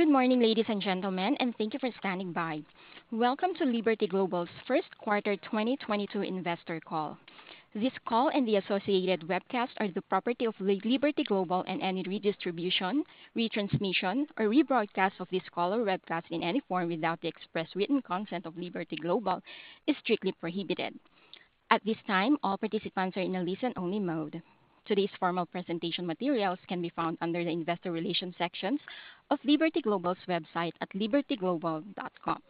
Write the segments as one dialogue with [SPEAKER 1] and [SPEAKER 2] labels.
[SPEAKER 1] Good morning, ladies and gentlemen, and thank you for standing by. Welcome to Liberty Global's First Quarter 2022 Investor Call. This call and the associated webcast are the property of Liberty Global and any redistribution, retransmission, or rebroadcast of this call or webcast in any form without the express written consent of Liberty Global is strictly prohibited. At this time, all participants are in a listen only mode. Today's formal presentation materials can be found under the investor relations sections of Liberty Global's website at libertyglobal.com.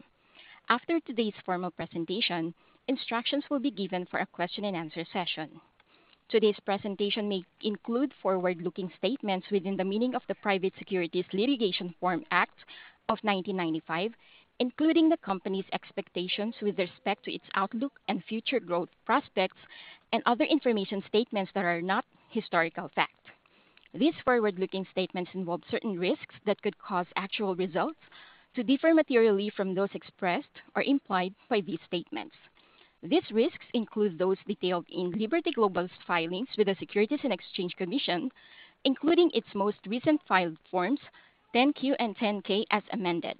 [SPEAKER 1] After today's formal presentation, instructions will be given for a question and answer session. Today's presentation may include forward-looking statements within the meaning of the Private Securities Litigation Reform Act of 1995, including the company's expectations with respect to its outlook and future growth prospects and other information statements that are not historical fact. These forward-looking statements involve certain risks that could cause actual results to differ materially from those expressed or implied by these statements. These risks include those detailed in Liberty Global's filings with the Securities and Exchange Commission, including its most recent filed forms, 10-Q and 10-K, as amended.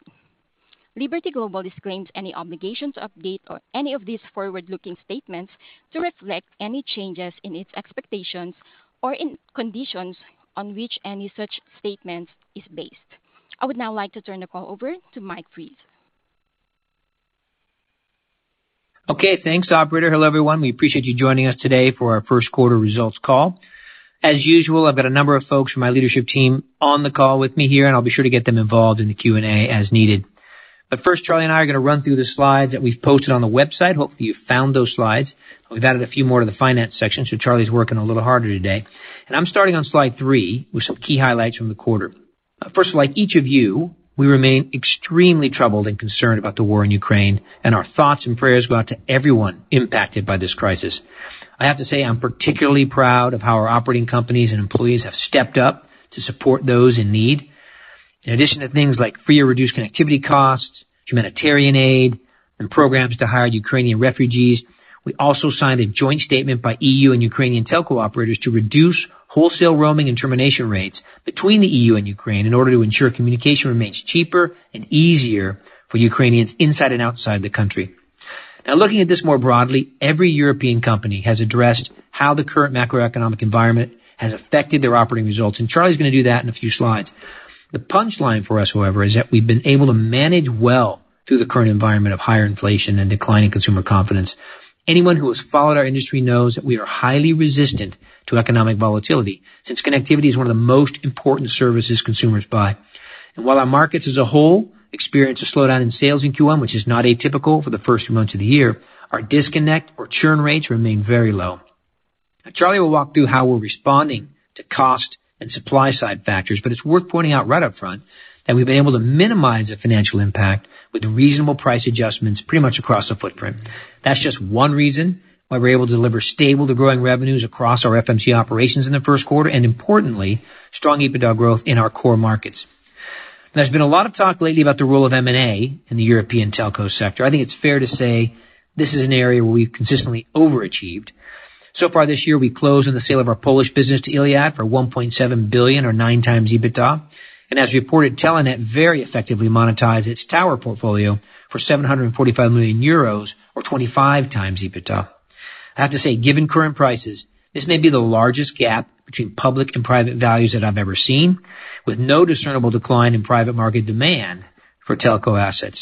[SPEAKER 1] Liberty Global disclaims any obligation to update or any of these forward-looking statements to reflect any changes in its expectations or in conditions on which any such statement is based. I would now like to turn the call over to Mike Fries.
[SPEAKER 2] Okay. Thanks, Operator. Hello, everyone. We appreciate you joining us today for our First Quarter Results Call. As usual, I've got a number of folks from my leadership team on the call with me here, and I'll be sure to get them involved in the Q&A as needed. First, Charlie and I are gonna run through the slides that we've posted on the website. Hopefully, you found those slides. We've added a few more to the finance section, so Charlie's working a little harder today. I'm starting on slide 3 with some key highlights from the quarter. First, like each of you, we remain extremely troubled and concerned about the war in Ukraine, and our thoughts and prayers go out to everyone impacted by this crisis. I have to say I'm particularly proud of how our operating companies and employees have stepped up to support those in need. In addition to things like free or reduced connectivity costs, humanitarian aid, and programs to hire Ukrainian refugees, we also signed a joint statement by EU and Ukrainian telco operators to reduce wholesale roaming and termination rates between the EU and Ukraine in order to ensure communication remains cheaper and easier for Ukrainians inside and outside the country. Now looking at this more broadly, every European company has addressed how the current macroeconomic environment has affected their operating results, and Charlie's gonna do that in a few slides. The punchline for us, however, is that we've been able to manage well through the current environment of higher inflation and declining consumer confidence. Anyone who has followed our industry knows that we are highly resistant to economic volatility since connectivity is one of the most important services consumers buy. While our markets as a whole experience a slowdown in sales in Q1, which is not atypical for the first few months of the year, our disconnect or churn rates remain very low. Charlie will walk through how we're responding to cost and supply side factors, but it's worth pointing out right up front that we've been able to minimize the financial impact with reasonable price adjustments pretty much across the footprint. That's just one reason why we're able to deliver stable to growing revenues across our FMC operations in the first quarter and importantly, strong EBITDA growth in our core markets. There's been a lot of talk lately about the role of M&A in the European telco sector. I think it's fair to say this is an area where we've consistently overachieved. So far this year, we closed on the sale of our Polish business to iliad for $1.7 billion or 9x EBITDA. As reported, Telenet very effectively monetized its tower portfolio for 745 million euros or 25x EBITDA. I have to say, given current prices, this may be the largest gap between public and private values that I've ever seen, with no discernible decline in private market demand for telco assets.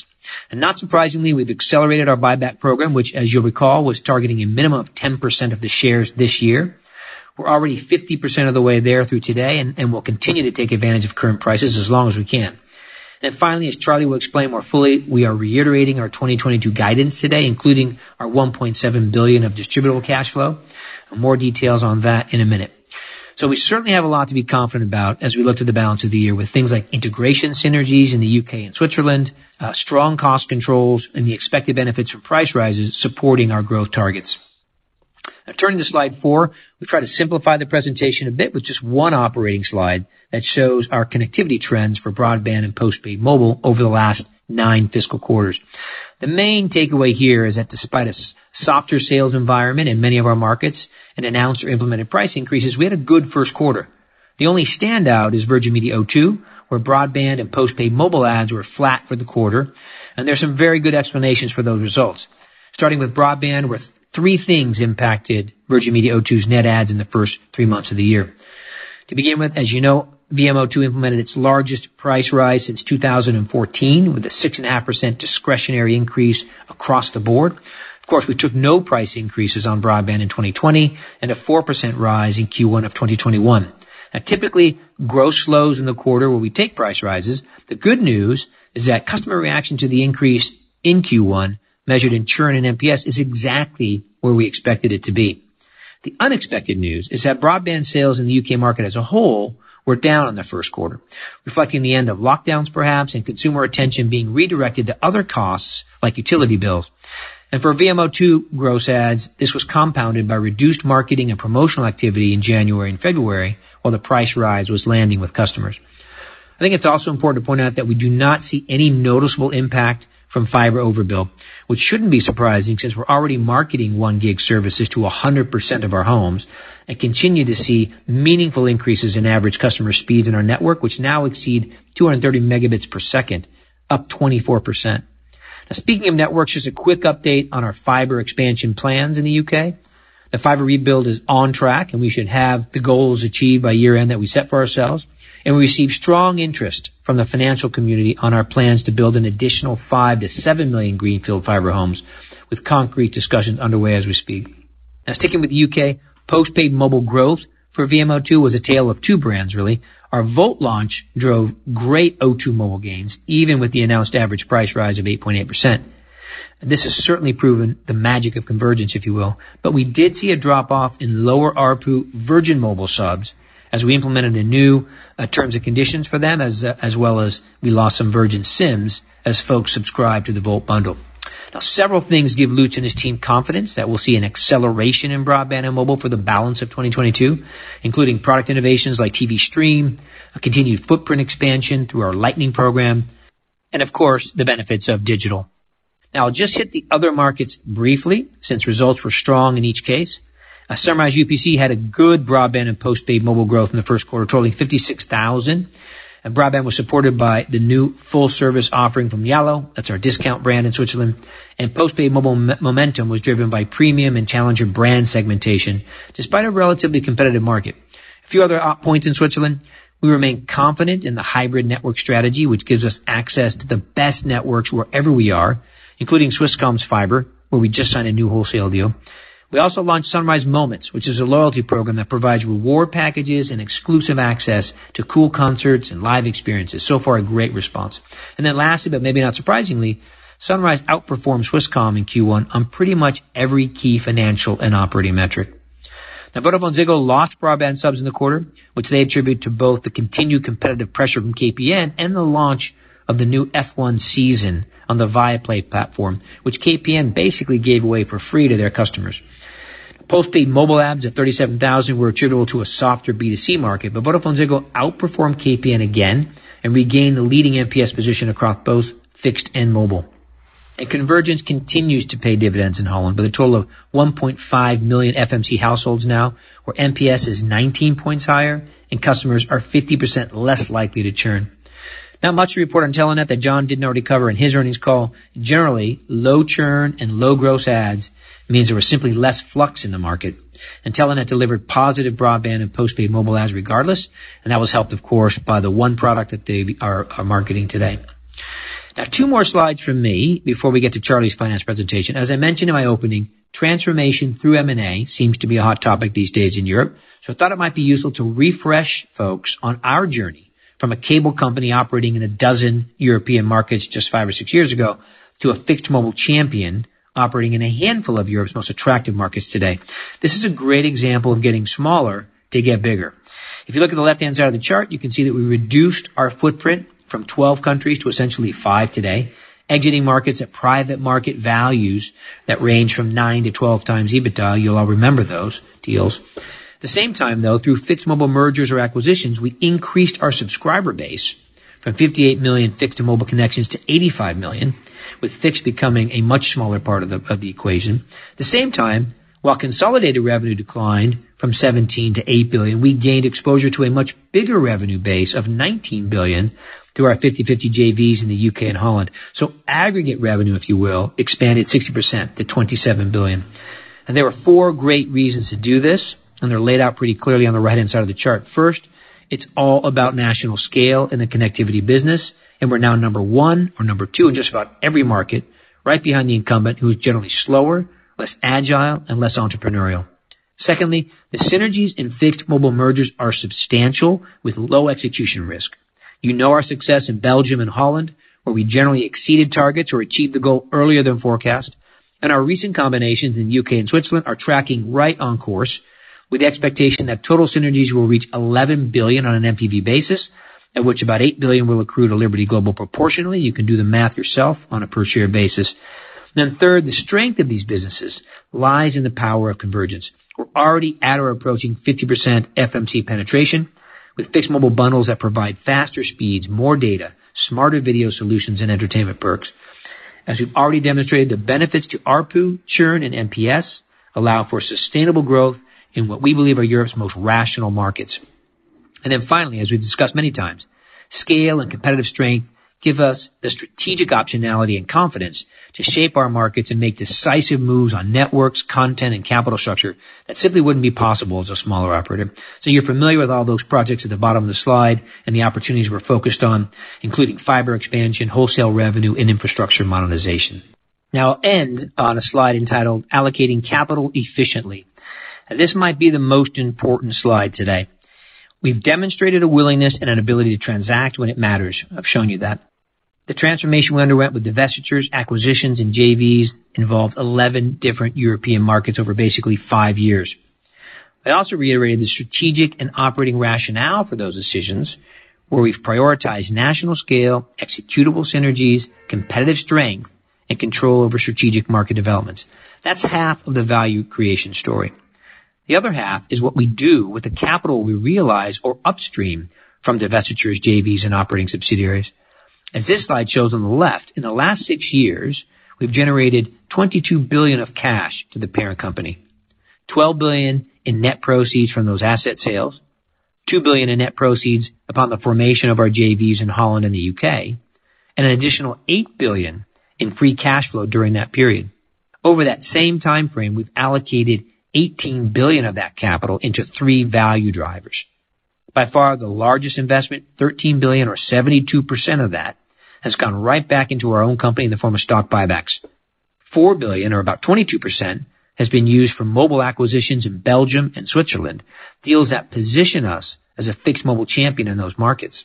[SPEAKER 2] Not surprisingly, we've accelerated our buyback program, which as you'll recall, was targeting a minimum of 10% of the shares this year. We're already 50% of the way there through today, and we'll continue to take advantage of current prices as long as we can. Finally, as Charlie will explain more fully, we are reiterating our 2022 guidance today, including our $1.7 billion of distributable cash flow. More details on that in a minute. We certainly have a lot to be confident about as we look to the balance of the year with things like integration synergies in the UK and Switzerland, strong cost controls, and the expected benefits of price rises supporting our growth targets. Now turning to slide 4, we try to simplify the presentation a bit with just one operating slide that shows our connectivity trends for broadband and postpaid mobile over the last 9 fiscal quarters. The main takeaway here is that despite a softer sales environment in many of our markets and announced or implemented price increases, we had a good first quarter. The only standout is Virgin Media O2, where broadband and postpaid mobile adds were flat for the quarter, and there's some very good explanations for those results. Starting with broadband, where three things impacted Virgin Media O2's net adds in the first three months of the year. To begin with, as you know, VMO2 implemented its largest price rise since 2014, with a 6.5% discretionary increase across the board. Of course, we took no price increases on broadband in 2020 and a 4% rise in Q1 of 2021. Now typically, gross adds slow in the quarter where we take price rises. The good news is that customer reaction to the increase in Q1, measured in churn and NPS, is exactly where we expected it to be. The unexpected news is that broadband sales in the UK market as a whole were down in the first quarter, reflecting the end of lockdowns perhaps, and consumer attention being redirected to other costs like utility bills. For VMO2 gross adds, this was compounded by reduced marketing and promotional activity in January and February while the price rise was landing with customers. I think it's also important to point out that we do not see any noticeable impact from fiber overbuild, which shouldn't be surprising since we're already marketing 1 gig services to 100% of our homes and continue to see meaningful increases in average customer speeds in our network, which now exceed 230 Mbps, up 24%. Now speaking of networks, just a quick update on our fiber expansion plans in the UK. The fiber rebuild is on track, and we should have the goals achieved by year-end that we set for ourselves. We received strong interest from the financial community on our plans to build an additional 5-7 million greenfield fiber homes with concrete discussions underway as we speak. Now sticking with the UK, postpaid mobile growth for VMO2 was a tale of two brands really. Our Volt launch drove great O2 mobile gains, even with the announced average price rise of 8.8%. This has certainly proven the magic of convergence, if you will. We did see a drop off in lower ARPU Virgin Mobile subs as we implemented a new terms and conditions for them, as well as we lost some Virgin SIMs as folks subscribed to the Volt bundle. Now, several things give Lutz and his team confidence that we'll see an acceleration in broadband and mobile for the balance of 2022, including product innovations like Virgin Media Stream, a continued footprint expansion through our Lightning program, and of course, the benefits of digital. Now I'll just hit the other markets briefly since results were strong in each case. Sunrise UPC had a good broadband and postpaid mobile growth in the first quarter, totaling 56,000. Broadband was supported by the new full service offering from Yallo, that's our discount brand in Switzerland. Postpaid mobile momentum was driven by premium and challenger brand segmentation, despite a relatively competitive market. A few other points in Switzerland. We remain confident in the hybrid network strategy, which gives us access to the best networks wherever we are, including Swisscom's fiber, where we just signed a new wholesale deal. We also launched Sunrise Moments, which is a loyalty program that provides reward packages and exclusive access to cool concerts and live experiences. So far, a great response. Lastly, but maybe not surprisingly, Sunrise outperformed Swisscom in Q1 on pretty much every key financial and operating metric. Now, VodafoneZiggo lost broadband subs in the quarter, which they attribute to both the continued competitive pressure from KPN and the launch of the new F1 season on the Viaplay platform, which KPN basically gave away for free to their customers. Postpaid mobile adds at 37,000 were attributable to a softer B2C market, but VodafoneZiggo outperformed KPN again and regained the leading NPS position across both fixed and mobile. Convergence continues to pay dividends in Holland with a total of 1.5 million FMC households now, where NPS is 19 points higher and customers are 50% less likely to churn. Not much to report on Telia that John didn't already cover in his earnings call. Generally, low churn and low gross adds means there was simply less flux in the market. Telia delivered positive broadband and postpaid mobile adds regardless, and that was helped, of course, by the one product that they are marketing today. Now, two more slides from me before we get to Charlie's finance presentation. As I mentioned in my opening, transformation through M&A seems to be a hot topic these days in Europe, so I thought it might be useful to refresh folks on our journey from a cable company operating in a dozen European markets just five or six years ago to a fixed mobile champion operating in a handful of Europe's most attractive markets today. This is a great example of getting smaller to get bigger. If you look at the left-hand side of the chart, you can see that we reduced our footprint from 12 countries to essentially 5 today, exiting markets at private market values that range from 9-12 times EBITDA. You'll all remember those deals. At the same time, though, through fixed mobile mergers or acquisitions, we increased our subscriber base from 58 million fixed to mobile connections to 85 million, with fixed becoming a much smaller part of the equation. At the same time, while consolidated revenue declined from $17 billion to $8 billion, we gained exposure to a much bigger revenue base of $19 billion through our 50/50 JVs in the UK and Holland. So aggregate revenue, if you will, expanded 60% to $27 billion. There are four great reasons to do this, and they're laid out pretty clearly on the right-hand side of the chart. First, it's all about national scale in the connectivity business, and we're now number one or number two in just about every market, right behind the incumbent who is generally slower, less agile, and less entrepreneurial. Secondly, the synergies in fixed mobile mergers are substantial with low execution risk. You know our success in Belgium and Holland, where we generally exceeded targets or achieved the goal earlier than forecast. Our recent combinations in UK and Switzerland are tracking right on course with the expectation that total synergies will reach $11 billion on an NPV basis, at which about $8 billion will accrue to Liberty Global proportionally. You can do the math yourself on a per share basis. Third, the strength of these businesses lies in the power of convergence. We're already at or approaching 50% FMC penetration with fixed mobile bundles that provide faster speeds, more data, smarter video solutions, and entertainment perks. As we've already demonstrated, the benefits to ARPU, churn, and NPS allow for sustainable growth in what we believe are Europe's most rational markets. Finally, as we've discussed many times, scale and competitive strength give us the strategic optionality and confidence to shape our markets and make decisive moves on networks, content, and capital structure that simply wouldn't be possible as a smaller operator. You're familiar with all those projects at the bottom of the slide and the opportunities we're focused on, including fiber expansion, wholesale revenue, and infrastructure monetization. Now I'll end on a slide entitled Allocating Capital Efficiently. This might be the most important slide today. We've demonstrated a willingness and an ability to transact when it matters. I've shown you that. The transformation we underwent with divestitures, acquisitions, and JVs involved 11 different European markets over basically 5 years. I also reiterated the strategic and operating rationale for those decisions, where we've prioritized national scale, executable synergies, competitive strength, and control over strategic market development. That's half of the value creation story. The other half is what we do with the capital we realize or upstream from divestitures, JVs, and operating subsidiaries. This slide shows on the left, in the last six years, we've generated $22 billion of cash to the parent company. $12 billion in net proceeds from those asset sales, $2 billion in net proceeds upon the formation of our JVs in Holland and the UK, and an additional $8 billion in free cash flow during that period. Over that same time frame, we've allocated $18 billion of that capital into three value drivers. By far the largest investment, $13 billion or 72% of that, has gone right back into our own company in the form of stock buybacks. $4 billion or about 22% has been used for mobile acquisitions in Belgium and Switzerland, deals that position us as a fixed mobile champion in those markets.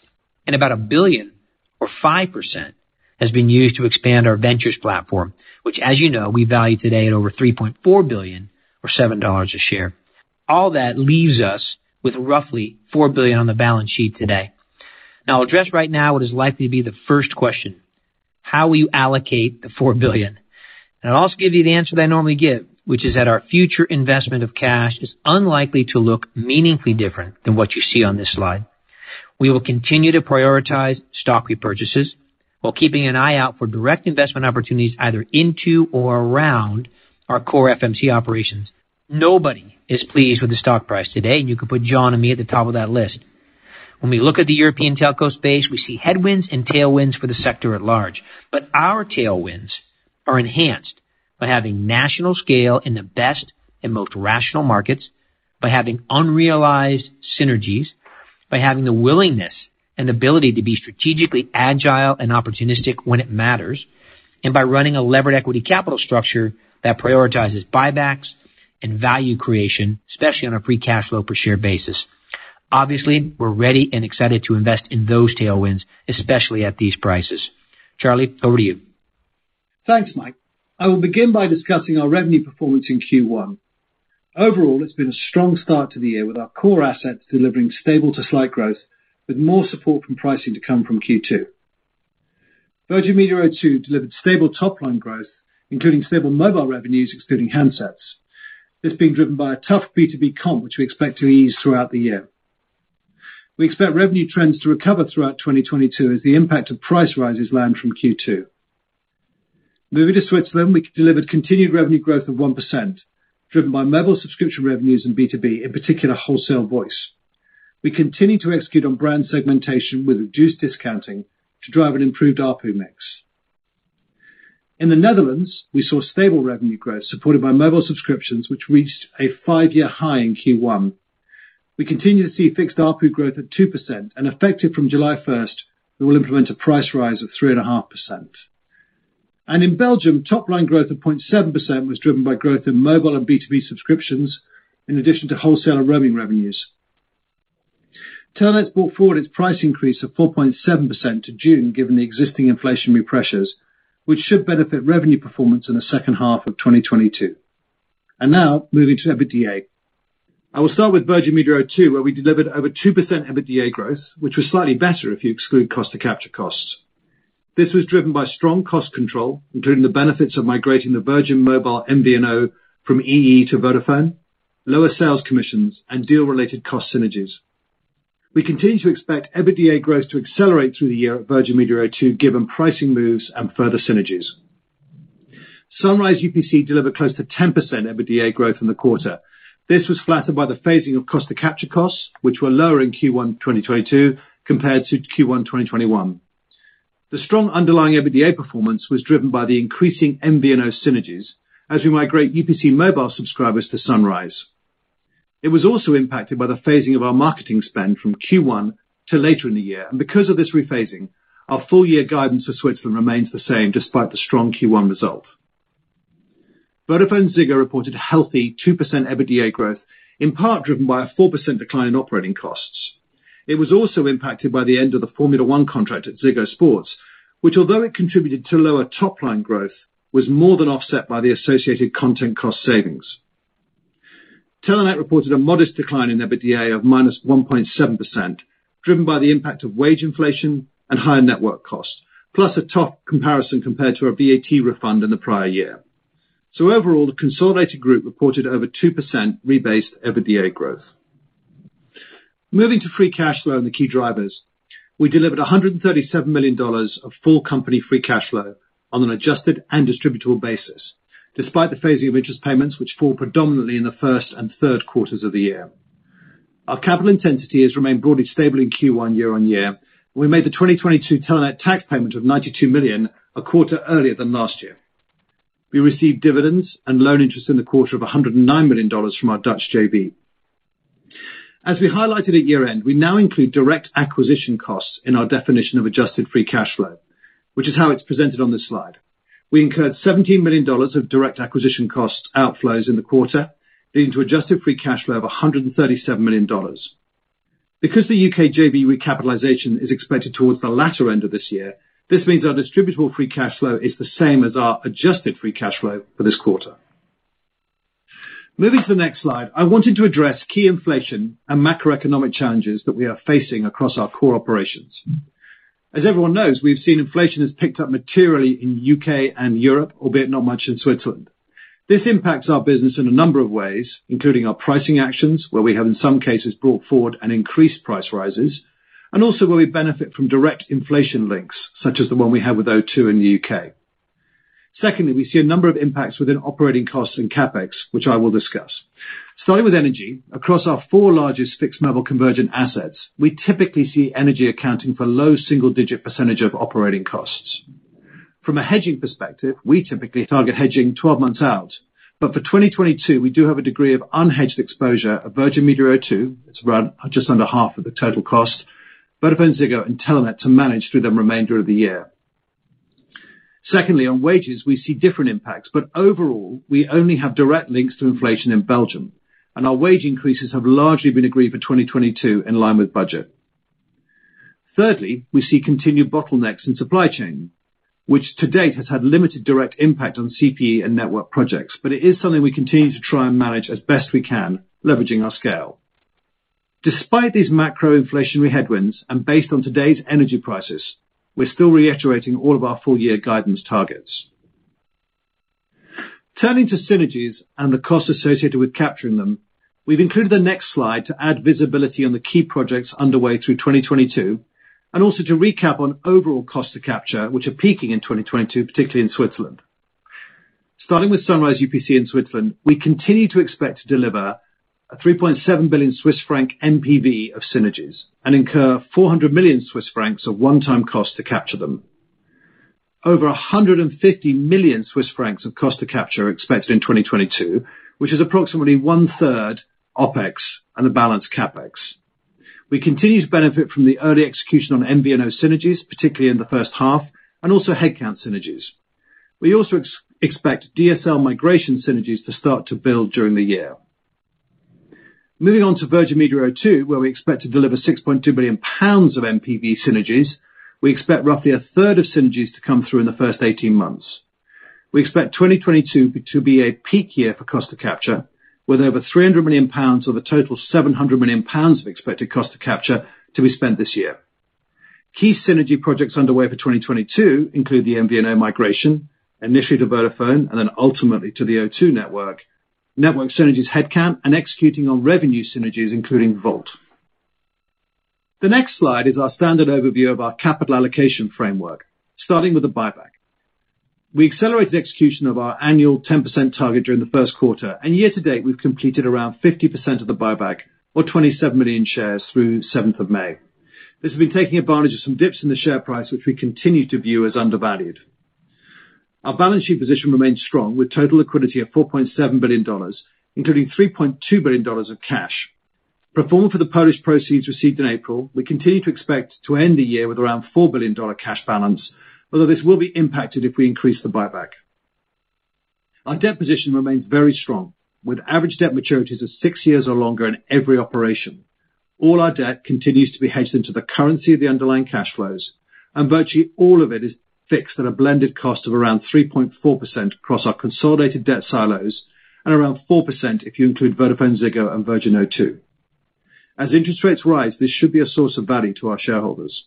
[SPEAKER 2] About $1 billion or 5% has been used to expand our ventures platform, which as you know, we value today at over $3.4 billion or $7 a share. All that leaves us with roughly $4 billion on the balance sheet today. Now I'll address right now what is likely to be the first question, how will you allocate the $4 billion? I'll also give you the answer that I normally give, which is that our future investment of cash is unlikely to look meaningfully different than what you see on this slide. We will continue to prioritize stock repurchases while keeping an eye out for direct investment opportunities either into or around our core FMC operations. Nobody is pleased with the stock price today, and you can put John and me at the top of that list. When we look at the European telco space, we see headwinds and tailwinds for the sector at large. Our tailwinds are enhanced by having national scale in the best and most rational markets, by having unrealized synergies, by having the willingness and ability to be strategically agile and opportunistic when it matters, and by running a levered equity capital structure that prioritizes buybacks and value creation, especially on a free cash flow per share basis. Obviously, we're ready and excited to invest in those tailwinds, especially at these prices. Charlie, over to you.
[SPEAKER 3] Thanks, Mike. I will begin by discussing our revenue performance in Q1. Overall, it's been a strong start to the year with our core assets delivering stable to slight growth with more support from pricing to come from Q2. Virgin Media O2 delivered stable top line growth, including stable mobile revenues excluding handsets. This being driven by a tough B2B comp, which we expect to ease throughout the year. We expect revenue trends to recover throughout 2022 as the impact of price rises land from Q2. Moving to Switzerland, we delivered continued revenue growth of 1% driven by mobile subscription revenues in B2B, in particular, wholesale voice. We continue to execute on brand segmentation with reduced discounting to drive an improved ARPU mix. In the Netherlands, we saw stable revenue growth supported by mobile subscriptions which reached a five-year high in Q1. We continue to see fixed ARPU growth at 2% and effective from July 1, we will implement a price rise of 3.5%. In Belgium, top line growth of 0.7% was driven by growth in mobile and B2B subscriptions in addition to wholesale and roaming revenues. Telenet brought forward its price increase of 4.7% to June given the existing inflationary pressures, which should benefit revenue performance in the second half of 2022. Now moving to EBITDA. I will start with Virgin Media O2, where we delivered over 2% EBITDA growth, which was slightly better if you exclude cost to capture costs. This was driven by strong cost control, including the benefits of migrating the Virgin Mobile MVNO from EE to Vodafone, lower sales commissions, and deal-related cost synergies. We continue to expect EBITDA growth to accelerate through the year at Virgin Media O2 given pricing moves and further synergies. Sunrise UPC delivered close to 10% EBITDA growth in the quarter. This was flattered by the phasing of cost to capture costs which were lower in Q1 2022 compared to Q1 2021. The strong underlying EBITDA performance was driven by the increasing MVNO synergies as we migrate UPC mobile subscribers to Sunrise. It was also impacted by the phasing of our marketing spend from Q1 to later in the year. Because of this rephasing, our full year guidance for Switzerland remains the same despite the strong Q1 result. VodafoneZiggo reported healthy 2% EBITDA growth, in part driven by a 4% decline in operating costs. It was also impacted by the end of the Formula One contract at Ziggo Sport, which although it contributed to lower top line growth, was more than offset by the associated content cost savings. Telenet reported a modest decline in EBITDA of -1.7%, driven by the impact of wage inflation and higher network costs, plus a tough comparison compared to our VAT refund in the prior year. Overall, the consolidated group reported over 2% rebased EBITDA growth. Moving to free cash flow and the key drivers. We delivered $137 million of full company free cash flow on an adjusted and distributable basis, despite the phasing of interest payments which fall predominantly in the first and third quarters of the year. Our capital intensity has remained broadly stable in Q1 year-on-year. We made the 2022 Telenet tax payment of $92 million a quarter earlier than last year. We received dividends and loan interest in the quarter of $109 million from our Dutch JV. As we highlighted at year-end, we now include direct acquisition costs in our definition of adjusted free cash flow, which is how it's presented on this slide. We incurred $17 million of direct acquisition cost outflows in the quarter, leading to adjusted free cash flow of $137 million. Because the UK JV recapitalization is expected towards the latter end of this year, this means our distributable free cash flow is the same as our adjusted free cash flow for this quarter. Moving to the next slide. I wanted to address key inflation and macroeconomic challenges that we are facing across our core operations. As everyone knows, we've seen inflation has picked up materially in UK and Europe, albeit not much in Switzerland. This impacts our business in a number of ways, including our pricing actions, where we have in some cases brought forward and increased price rises, and also where we benefit from direct inflation links such as the one we have with O2 in the UK. Secondly, we see a number of impacts within operating costs and CapEx, which I will discuss. Starting with energy, across our four largest fixed mobile convergent assets, we typically see energy accounting for low single-digit % of operating costs. From a hedging perspective, we typically target hedging 12 months out, but for 2022, we do have a degree of unhedged exposure of Virgin Media O2. It's around just under half of the total cost. VodafoneZiggo and Telenet to manage through the remainder of the year. Secondly, on wages, we see different impacts, but overall, we only have direct links to inflation in Belgium, and our wage increases have largely been agreed for 2022 in line with budget. Thirdly, we see continued bottlenecks in supply chain, which to date has had limited direct impact on CPE and network projects. It is something we continue to try and manage as best we can, leveraging our scale. Despite these macro inflationary headwinds and based on today's energy prices, we're still reiterating all of our full-year guidance targets. Turning to synergies and the costs associated with capturing them, we've included the next slide to add visibility on the key projects underway through 2022, and also to recap on overall cost to capture, which are peaking in 2022, particularly in Switzerland. Starting with Sunrise UPC in Switzerland, we continue to expect to deliver a 3.7 billion Swiss franc NPV of synergies and incur 400 million Swiss francs of one-time cost to capture them. Over 150 million Swiss francs of cost to capture are expected in 2022, which is approximately one-third OpEx and the balance CapEx. We continue to benefit from the early execution on MVNO synergies, particularly in the first half, and also headcount synergies. We also expect DSL migration synergies to start to build during the year. Moving on to Virgin Media O2, where we expect to deliver 6.2 billion pounds of NPV synergies. We expect roughly a third of synergies to come through in the first 18 months. We expect 2022 to be a peak year for cost to capture, with over 300 million pounds of a total 700 million pounds of expected cost to capture to be spent this year. Key synergy projects underway for 2022 include the MVNO migration, initially to Vodafone and then ultimately to the O2 network synergies headcount, and executing on revenue synergies, including Volt. The next slide is our standard overview of our capital allocation framework, starting with the buyback. We accelerated the execution of our annual 10% target during the first quarter, and year to date, we've completed around 50% of the buyback or 27 million shares through 7th of May. This has been taking advantage of some dips in the share price, which we continue to view as undervalued. Our balance sheet position remains strong, with total liquidity of $4.7 billion, including $3.2 billion of cash. Pending the Polish proceeds received in April, we continue to expect to end the year with around $4 billion cash balance, although this will be impacted if we increase the buyback. Our debt position remains very strong, with average debt maturities of six years or longer in every operation. All our debt continues to be hedged into the currency of the underlying cash flows, and virtually all of it is fixed at a blended cost of around 3.4% across our consolidated debt silos and around 4% if you include VodafoneZiggo and Virgin Media O2. As interest rates rise, this should be a source of value to our shareholders.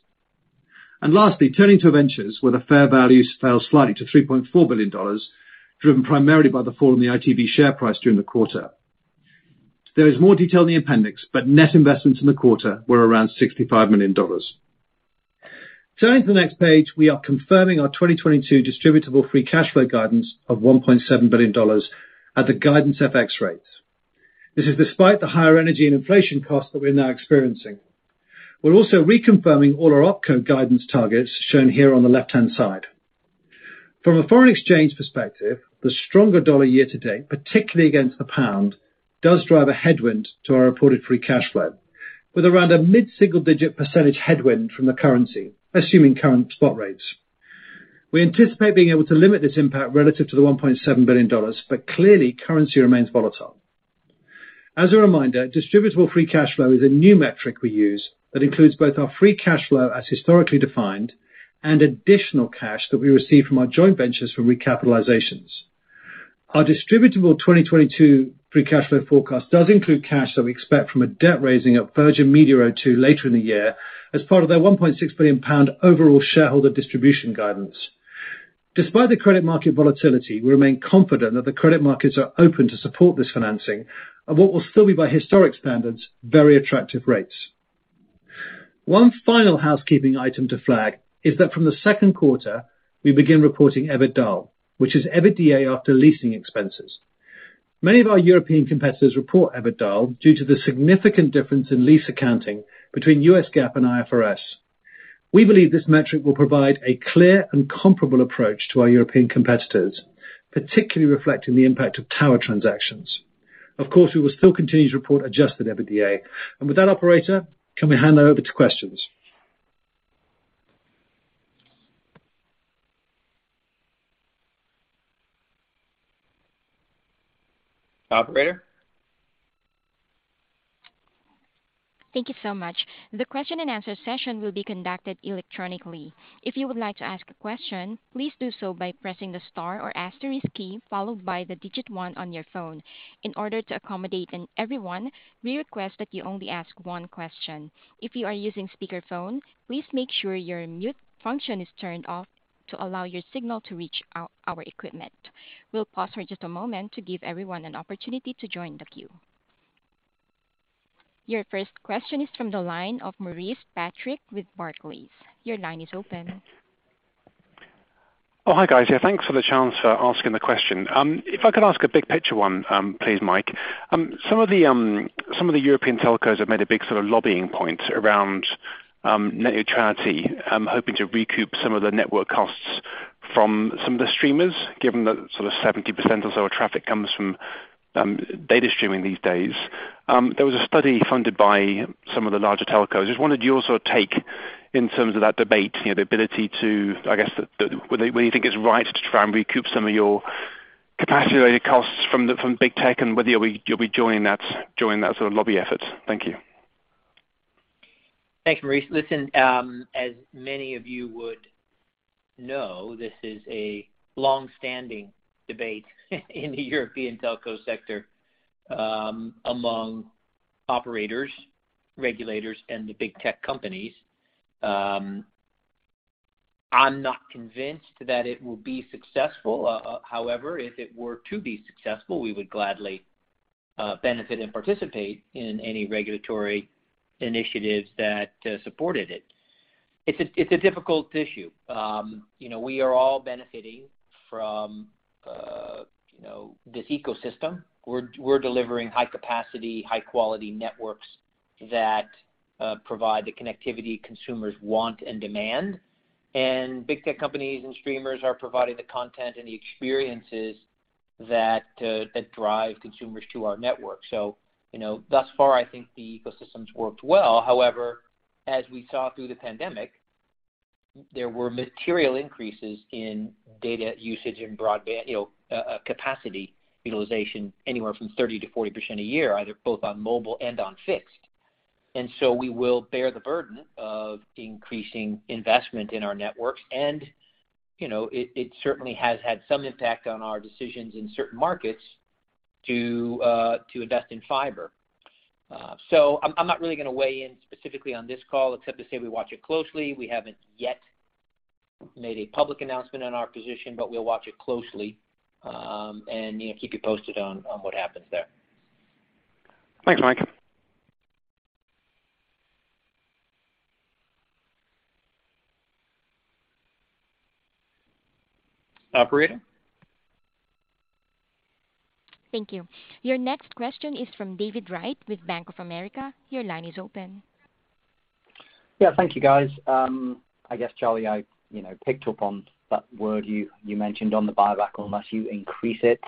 [SPEAKER 3] Lastly, turning to ventures where the fair values fell slightly to $3.4 billion, driven primarily by the fall in the ITV share price during the quarter. There is more detail in the appendix, but net investments in the quarter were around $65 million. Turning to the next page, we are confirming our 2022 distributable free cash flow guidance of $1.7 billion at the guidance FX rates. This is despite the higher energy and inflation costs that we're now experiencing. We're also reconfirming all our opco guidance targets shown here on the left-hand side. From a foreign exchange perspective, the stronger dollar year to date, particularly against the pound, does drive a headwind to our reported free cash flow, with around a mid-single-digit percentage headwind from the currency, assuming current spot rates. We anticipate being able to limit this impact relative to the $1.7 billion, but clearly currency remains volatile. As a reminder, distributable free cash flow is a new metric we use that includes both our free cash flow as historically defined and additional cash that we receive from our joint ventures for recapitalizations. Our distributable 2022 free cash flow forecast does include cash that we expect from a debt raising at Virgin Media O2 later in the year as part of their 1.6 billion pound overall shareholder distribution guidance. Despite the credit market volatility, we remain confident that the credit markets are open to support this financing at what will still be, by historic standards, very attractive rates. One final housekeeping item to flag is that from the second quarter, we begin reporting EBITDA, which is EBITDA after leasing expenses. Many of our European competitors report EBITDA due to the significant difference in lease accounting between U.S. GAAP and IFRS. We believe this metric will provide a clear and comparable approach to our European competitors, particularly reflecting the impact of tower transactions. Of course, we will still continue to report adjusted EBITDA. With that, Operator, can we hand over to questions?
[SPEAKER 2] Operator?
[SPEAKER 1] Thank you so much. The question and answer session will be conducted electronically. If you would like to ask a question, please do so by pressing the star or asterisk key followed by the digit one on your phone. In order to accommodate everyone, we request that you only ask one question. If you are using speakerphone, please make sure your mute function is turned off to allow your signal to reach our equipment. We'll pause for just a moment to give everyone an opportunity to join the queue. Your first question is from the line of Maurice Patrick with Barclays. Your line is open.
[SPEAKER 4] Hi, guys. Thanks for the chance to ask the question. If I could ask a big picture one, please, Mike. Some of the European telcos have made a big sort of lobbying point around net neutrality. They're hoping to recoup some of the network costs from some of the streamers, given that sort of 70% or so of traffic comes from data streaming these days. There was a study funded by some of the larger telcos. Just wondered your sort of take in terms of that debate, you know, the ability to, I guess, whether you think it's right to try and recoup some of your capacity costs from big tech, and whether you'll be joining that sort of lobby effort. Thank you.
[SPEAKER 2] Thanks, Maurice. Listen, as many of you would know, this is a long-standing debate in the European telco sector, among operators, regulators, and the big tech companies. I'm not convinced that it will be successful. However, if it were to be successful, we would gladly benefit and participate in any regulatory initiatives that supported it. It's a difficult issue. You know, we are all benefiting from this ecosystem. We're delivering high capacity, high quality networks that provide the connectivity consumers want and demand. Big tech companies and streamers are providing the content and the experiences that drive consumers to our network. You know, thus far, I think the ecosystem's worked well. However, as we saw through the pandemic, there were material increases in data usage and broadband, you know, capacity utilization anywhere from 30%-40% a year, either both on mobile and on fixed. We will bear the burden of increasing investment in our networks. You know, it certainly has had some impact on our decisions in certain markets to invest in fiber. I'm not really gonna weigh in specifically on this call except to say we watch it closely. We haven't yet made a public announcement on our position, but we'll watch it closely, and you know, keep you posted on what happens there.
[SPEAKER 4] Thanks, Mike.
[SPEAKER 2] Operator.
[SPEAKER 1] Thank you. Your next question is from David Wright with Bank of America. Your line is open.
[SPEAKER 5] Yeah, thank you, guys. I guess, Charlie, I, you know, picked up on that word you mentioned on the buyback, unless you increase it.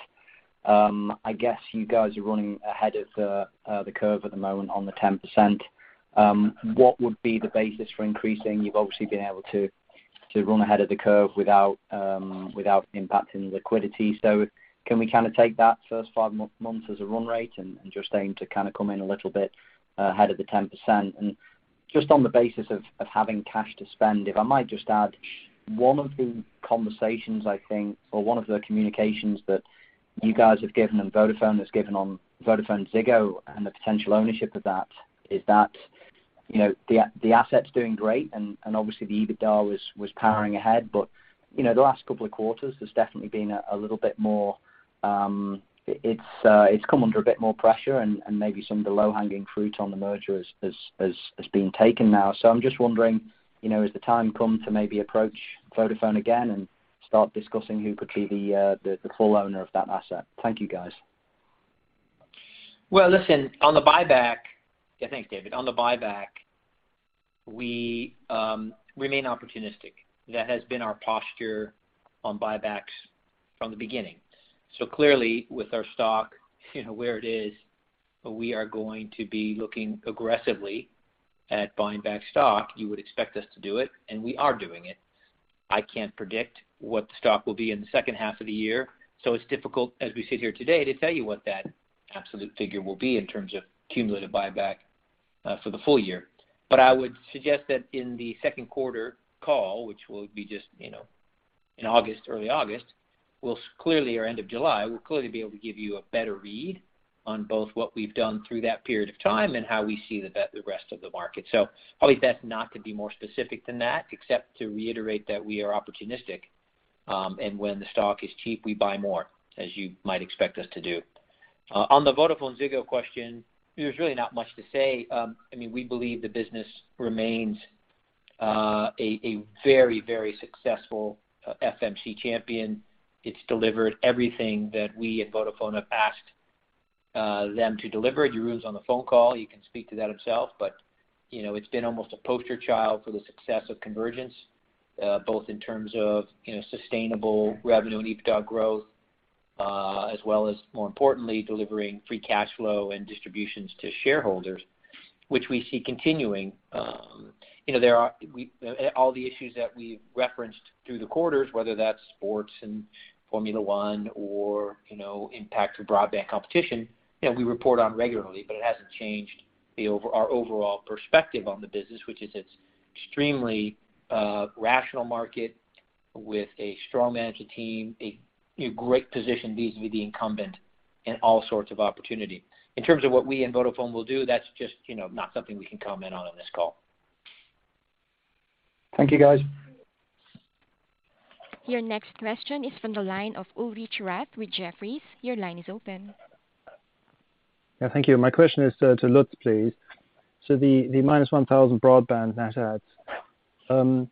[SPEAKER 5] I guess you guys are running ahead of the curve at the moment on the 10%. What would be the basis for increasing? You've obviously been able to run ahead of the curve without impacting liquidity. Can we kinda take that first 5 months as a run rate and just aim to kinda come in a little bit ahead of the 10%? Just on the basis of having cash to spend, if I might just add, one of the conversations, I think, or one of the communications that you guys have given and Vodafone has given on VodafoneZiggo and the potential ownership of that is that, you know, the asset's doing great and obviously the EBITDA was powering ahead. You know, the last couple of quarters, there's definitely been a little bit more. It's come under a bit more pressure and maybe some of the low-hanging fruit on the merger has been taken now. I'm just wondering, you know, has the time come to maybe approach Vodafone again and start discussing who could be the full owner of that asset? Thank you, guys.
[SPEAKER 3] Well, listen, on the buyback. Yeah. Thanks, David. On the buyback, we remain opportunistic. That has been our posture on buybacks from the beginning. Clearly, with our stock, you know, where it is, we are going to be looking aggressively at buying back stock. You would expect us to do it, and we are doing it. I can't predict what the stock will be in the second half of the year, so it's difficult, as we sit here today, to tell you what that absolute figure will be in terms of cumulative buyback for the full year. I would suggest that in the second quarter call, which will be just, you know, in August, early August or end of July, we'll clearly be able to give you a better read on both what we've done through that period of time and how we see the rest of the market. I'll leave that not to be more specific than that, except to reiterate that we are opportunistic, and when the stock is cheap, we buy more, as you might expect us to do. On the VodafoneZiggo question, there's really not much to say. I mean, we believe the business remains a very successful FMC champion. It's delivered everything that we at Vodafone have asked them to deliver. Jeroen's on the phone call. He can speak to that himself, but you know, it's been almost a poster child for the success of convergence, both in terms of, you know, sustainable revenue and EBITDA growth, as well as, more importantly, delivering free cash flow and distributions to shareholders, which we see continuing. You know, all the issues that we've referenced through the quarters, whether that's sports and Formula 1 or, you know, impact to broadband competition, you know, we report on regularly, but it hasn't changed our overall perspective on the business, which is it's extremely rational market with a strong management team, a great position vis-à-vis the incumbent and all sorts of opportunity. In terms of what we and Vodafone will do, that's just, you know, not something we can comment on this call.
[SPEAKER 5] Thank you, guys.
[SPEAKER 1] Your next question is from the line of Ulrich Rathe with Jefferies. Your line is open.
[SPEAKER 6] Yeah, thank you. My question is to Lutz, please. The minus 1,000 broadband net adds.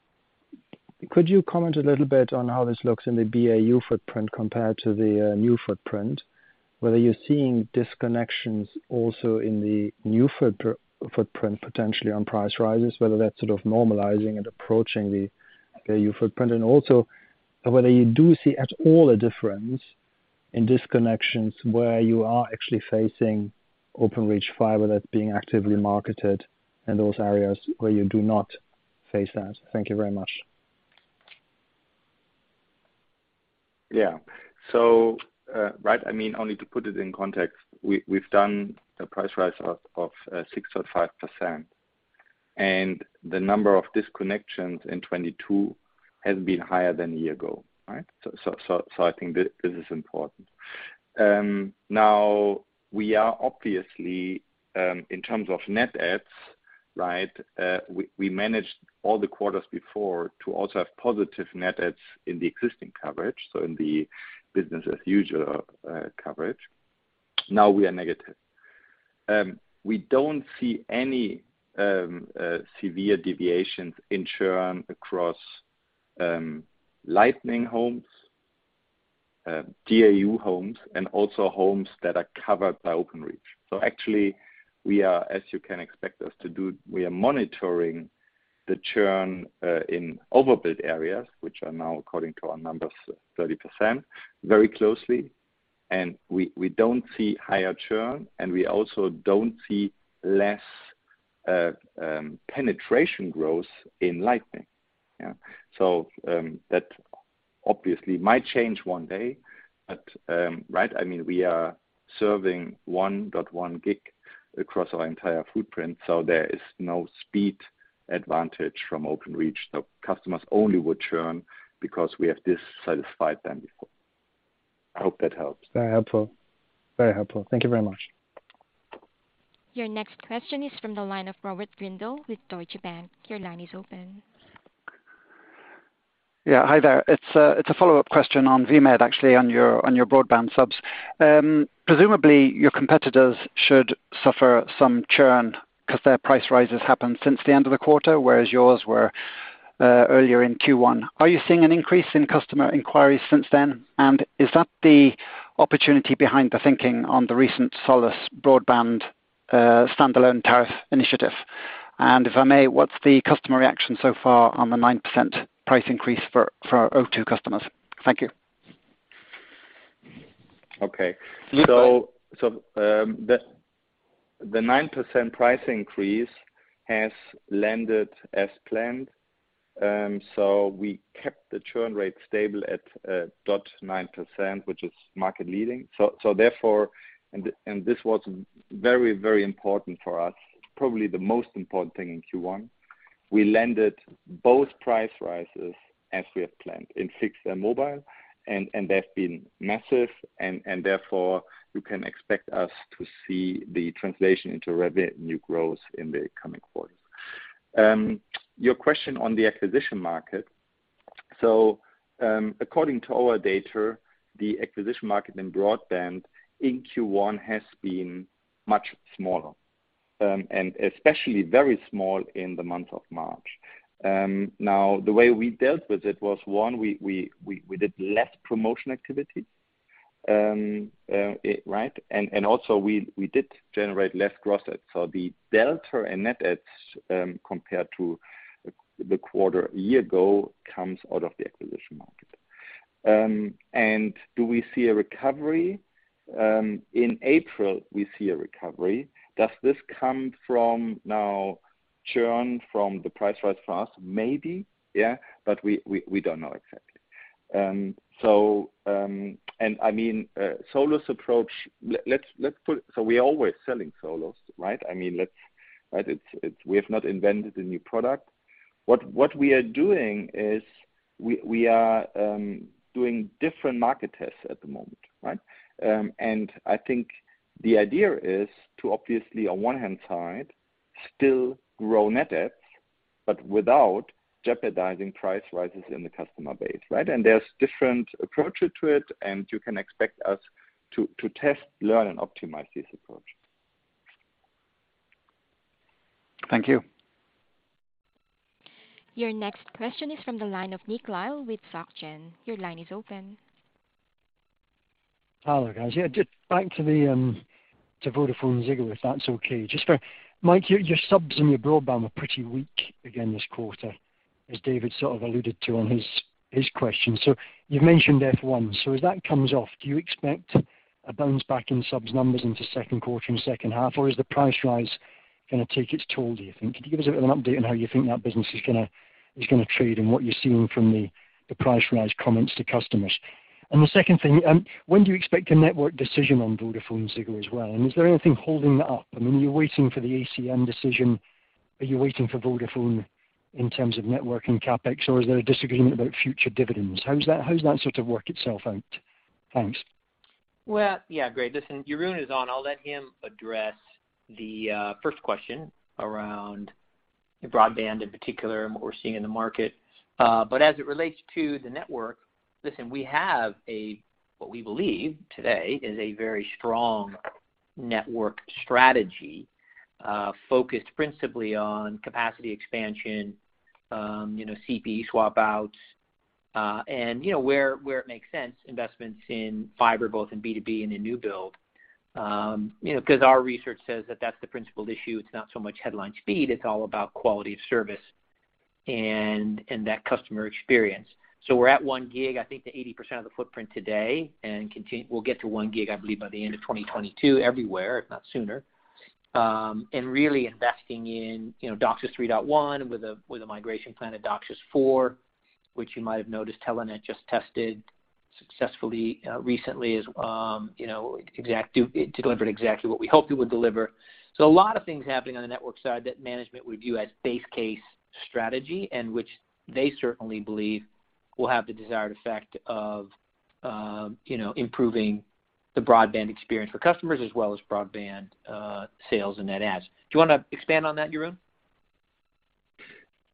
[SPEAKER 6] Could you comment a little bit on how this looks in the BAU footprint compared to the new footprint? Whether you're seeing disconnections also in the new footprint, potentially on price rises, whether that's sort of normalizing and approaching the BAU footprint, and also whether you do see at all a difference in disconnections where you are actually facing Openreach fiber that's being actively marketed in those areas where you do not face that. Thank you very much.
[SPEAKER 7] Yeah. Right, I mean, only to put it in context, we've done a price rise of 6.5%. The number of disconnections in 2022 has been higher than a year ago, right? I think this is important. Now we are obviously in terms of net adds, right, we managed all the quarters before to also have positive net adds in the existing coverage, so in the business as usual coverage. Now we are negative. We don't see any severe deviations in churn across Lightning homes, DAU homes, and also homes that are covered by Openreach. Actually we are, as you can expect us to do, monitoring the churn in overbuilt areas, which are now according to our numbers, 30%, very closely. We don't see higher churn, and we also don't see less penetration growth in Lightning. Yeah. That obviously might change one day, but right, I mean, we are serving 1.1 gig across our entire footprint, so there is no speed advantage from Openreach. The customers only would churn because we have dissatisfied them before. I hope that helps.
[SPEAKER 6] Very helpful. Thank you very much.
[SPEAKER 1] Your next question is from the line of Robert Grindle with Deutsche Bank. Your line is open.
[SPEAKER 8] Yeah. Hi there. It's a follow-up question on VMO2, actually, on your broadband subs. Presumably your competitors should suffer some churn because their price rises happened since the end of the quarter, whereas yours were earlier in Q1. Are you seeing an increase in customer inquiries since then? And is that the opportunity behind the thinking on the recent Solis broadband standalone tariff initiative? And if I may, what's the customer reaction so far on the 9% price increase for O2 customers? Thank you.
[SPEAKER 7] Okay.
[SPEAKER 8] Lutz,
[SPEAKER 7] The 9% price increase has landed as planned. We kept the churn rate stable at 0.9%, which is market leading. This was very important for us, probably the most important thing in Q1. We landed both price rises as we have planned in fixed and mobile, and they've been massive and therefore you can expect us to see the translation into revenue growth in the coming quarters. Your question on the acquisition market. According to our data, the acquisition market in broadband in Q1 has been much smaller, and especially very small in the month of March. Now the way we dealt with it was, one, we did less promotion activity. Right? Also we did generate less gross adds. The delta in net adds, compared to the quarter a year ago comes out of the acquisition market. Do we see a recovery? In April, we see a recovery. Does this come from lower churn from the price rise for us? Maybe, yeah, but we don't know exactly. I mean, Solis approach. We're always selling Solis, right? I mean, right? It's, we have not invented a new product. What we are doing is we are doing different market tests at the moment, right? I think the idea is to obviously on one hand side, still grow net adds but without jeopardizing price rises in the customer base, right? There's different approaches to it, and you can expect us to test, learn, and optimize this approach.
[SPEAKER 8] Thank you.
[SPEAKER 1] Your next question is from the line of Nick Lyall with Société Générale. Your line is open.
[SPEAKER 9] Hi there, guys. Yeah, just back to VodafoneZiggo, if that's okay. Just for Mike, your subs and your broadband were pretty weak again this quarter, as David sort of alluded to on his question. You've mentioned F1. As that comes off, do you expect a bounce back in subs numbers into second quarter and second half? Is the price rise gonna take its toll, do you think? Could you give us an update on how you think that business is gonna trade and what you're seeing from the price rise comments to customers? The second thing, when do you expect a network decision on VodafoneZiggo as well? Is there anything holding that up? I mean, are you waiting for the ACM decision? Are you waiting for Vodafone in terms of network and CapEx? Is there a disagreement about future dividends? How does that sort of work itself out? Thanks.
[SPEAKER 2] Well, yeah, great. Listen, Jeroen is on. I'll let him address the first question around broadband in particular and what we're seeing in the market. But as it relates to the network, listen, we have a what we believe today is a very strong network strategy, focused principally on capacity expansion, you know, CPE swap outs, and, you know, where it makes sense, investments in fiber, both in B2B and in new build. You know, because our research says that that's the principal issue. It's not so much headline speed, it's all about quality of service and that customer experience. We're at 1 gig, I think at 80% of the footprint today, and we'll get to 1 gig, I believe, by the end of 2022 everywhere, if not sooner. Really investing in, you know, DOCSIS 3.1 with a migration plan of DOCSIS 4.0, which you might have noticed Telenet just tested successfully recently to deliver exactly what we hoped it would deliver. A lot of things happening on the network side that management would view as base case strategy and which they certainly believe will have the desired effect of, you know, improving the broadband experience for customers as well as broadband sales and net adds. Do you wanna expand on that, Jeroen?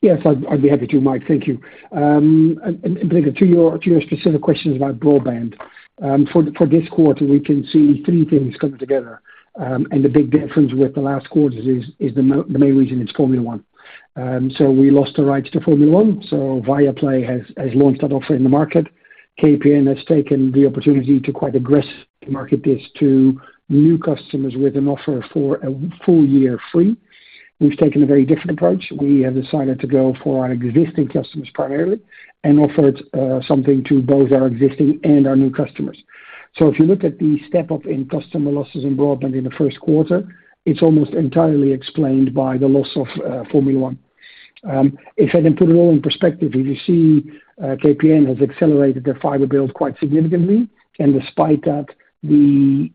[SPEAKER 10] Yes, I'd be happy to, Mike. Thank you. And Blake, to your specific questions about broadband, for this quarter, we can see three things coming together. The big difference with the last quarter is the main reason is Formula One. We lost the rights to Formula One, so Viaplay has launched that offer in the market. KPN has taken the opportunity to quite aggressively market this to new customers with an offer for a full year free. We've taken a very different approach. We have decided to go for our existing customers primarily and offered something to both our existing and our new customers. If you look at the step up in customer losses in broadband in the first quarter, it's almost entirely explained by the loss of Formula One. If I then put it all in perspective, if you see, KPN has accelerated their fiber build quite significantly, and despite that, the,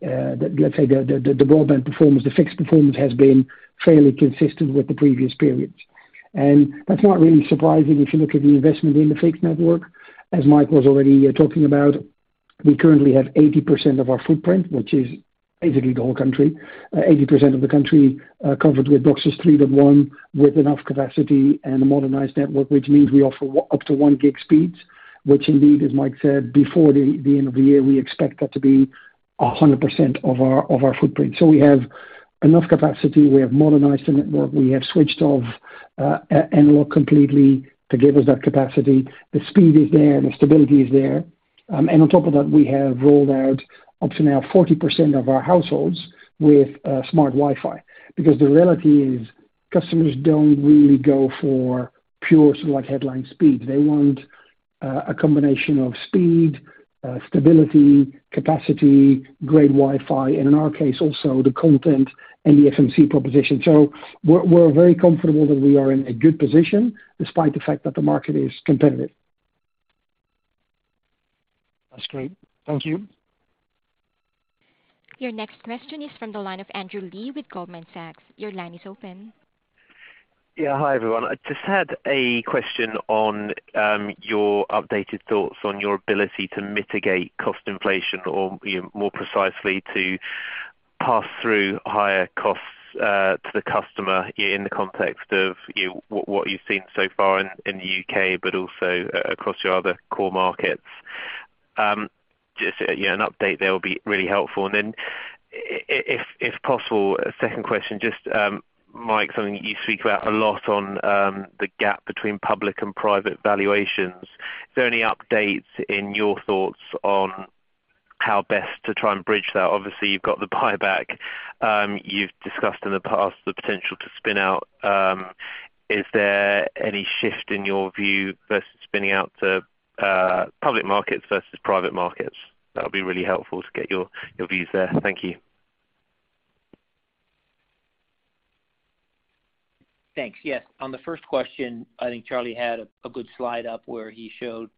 [SPEAKER 10] let's say the broadband performance, the fixed performance has been fairly consistent with the previous periods. That's not really surprising if you look at the investment in the fixed network. As Mike was already talking about, we currently have 80% of our footprint, which is basically the whole country. 80% of the country covered with DOCSIS 3.1, with enough capacity and a modernized network, which means we offer up to 1 gig speeds, which indeed, as Mike said, before the end of the year, we expect that to be 100% of our footprint. We have enough capacity. We have modernized the network. We have switched off analog completely to give us that capacity. The speed is there, the stability is there. On top of that, we have rolled out up to now 40% of our households with Smart Wi-Fi. Because the reality is customers don't really go for pure sort of like headline speed. They want a combination of speed, stability, capacity, great Wi-Fi, and in our case also the content and the FMC proposition. We're very comfortable that we are in a good position despite the fact that the market is competitive.
[SPEAKER 9] That's great. Thank you.
[SPEAKER 1] Your next question is from the line of Andrew Lee with Goldman Sachs. Your line is open.
[SPEAKER 11] Yeah. Hi, everyone. I just had a question on your updated thoughts on your ability to mitigate cost inflation or, you know, more precisely, to pass through higher costs to the customer in the context of what you've seen so far in the UK but also across your other core markets. Just, you know, an update there will be really helpful. Then if possible, a second question, just Mike, something that you speak about a lot on the gap between public and private valuations. Is there any updates in your thoughts on how best to try and bridge that? Obviously, you've got the buyback. You've discussed in the past the potential to spin out. Is there any shift in your view versus spinning out to public markets versus private markets? That'll be really helpful to get your views there. Thank you.
[SPEAKER 2] Thanks. Yes. On the first question, I think Charlie had a good slide up where he showed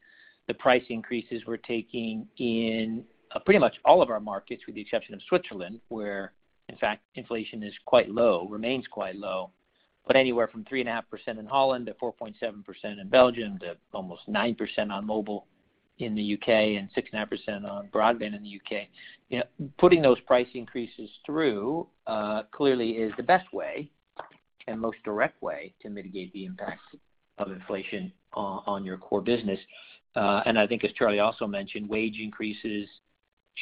[SPEAKER 2] the price increases we're taking in pretty much all of our markets, with the exception of Switzerland, where, in fact, inflation is quite low, remains quite low. Anywhere from 3.5% in Holland to 4.7% in Belgium to almost 9% on mobile in the UK and 6.5% on broadband in the UK. You know, putting those price increases through clearly is the best way and most direct way to mitigate the impact of inflation on your core business. I think as Charlie also mentioned, wage increases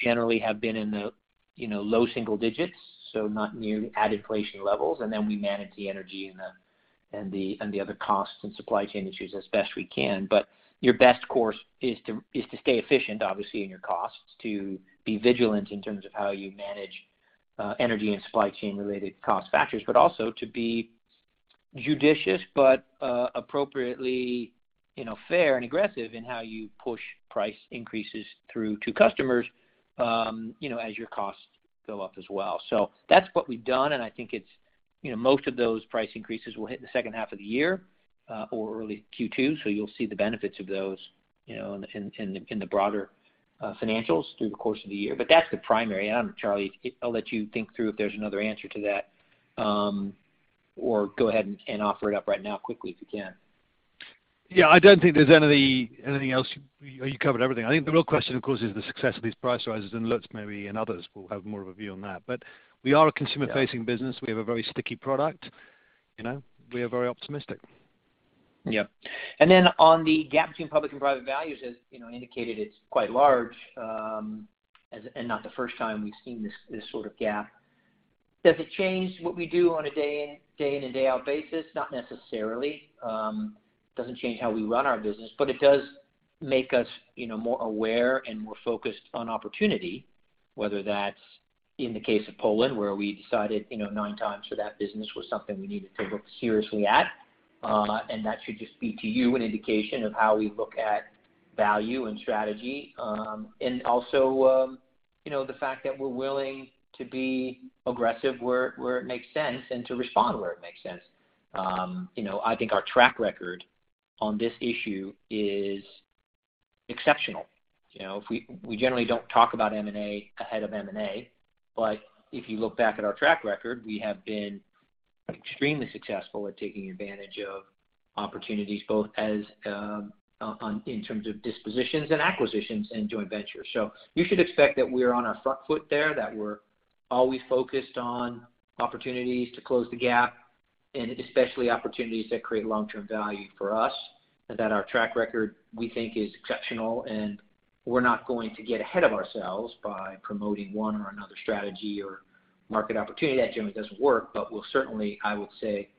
[SPEAKER 2] generally have been in the, you know, low single digits, so not near at inflation levels, and then we manage the energy and the other costs and supply chain issues as best we can. Your best course is to stay efficient, obviously, in your costs, to be vigilant in terms of how you manage energy and supply chain related cost factors, but also to be judicious but appropriately, you know, fair and aggressive in how you push price increases through to customers, you know, as your costs go up as well. That's what we've done, and I think it's, you know, most of those price increases will hit in the second half of the year or early Q2. You'll see the benefits of those, you know, in the broader financials through the course of the year. That's the primary. I don't know, Charlie, I'll let you think through if there's another answer to that, or go ahead and offer it up right now quickly if you can.
[SPEAKER 3] Yeah, I don't think there's anything else. You covered everything. I think the real question, of course, is the success of these price rises and lots maybe, and others will have more of a view on that. We are a consumer-facing business. We have a very sticky product. You know, we are very optimistic.
[SPEAKER 2] Yeah. Then on the gap between public and private values, as you know, indicated, it's quite large, and not the first time we've seen this sort of gap. Does it change what we do on a day in and day out basis? Not necessarily. Doesn't change how we run our business, but it does make us, you know, more aware and more focused on opportunity, whether that's in the case of Poland, where we decided, you know, nine times for that business was something we needed to look seriously at. That should just be to you an indication of how we look at value and strategy, and also, you know, the fact that we're willing to be aggressive where it makes sense and to respond where it makes sense. You know, I think our track record on this issue is exceptional. You know, we generally don't talk about M&A ahead of M&A. If you look back at our track record, we have been extremely successful at taking advantage of opportunities in terms of dispositions and acquisitions and joint ventures. You should expect that we're on our front foot there, that we're always focused on opportunities to close the gap and especially opportunities that create long-term value for us, and that our track record, we think is exceptional. We're not going to get ahead of ourselves by promoting one or another strategy or market opportunity. That generally doesn't work. We'll certainly, I would say,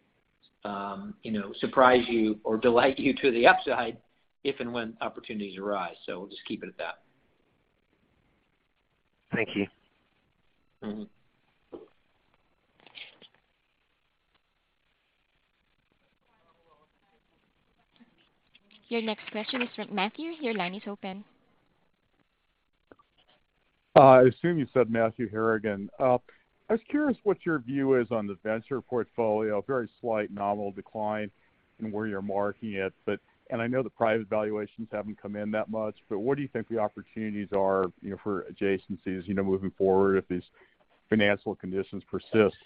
[SPEAKER 2] you know, surprise you or delight you to the upside if and when opportunities arise. We'll just keep it at that.
[SPEAKER 11] Thank you.
[SPEAKER 2] Mm-hmm.
[SPEAKER 1] Your next question is from Matthew. Your line is open.
[SPEAKER 12] Hi. I assume you said Matthew Harrigan. I was curious what your view is on the venture portfolio. Very slight nominal decline in where you're marking it. I know the private valuations haven't come in that much, but what do you think the opportunities are, you know, for adjacencies, you know, moving forward if these financial conditions persist?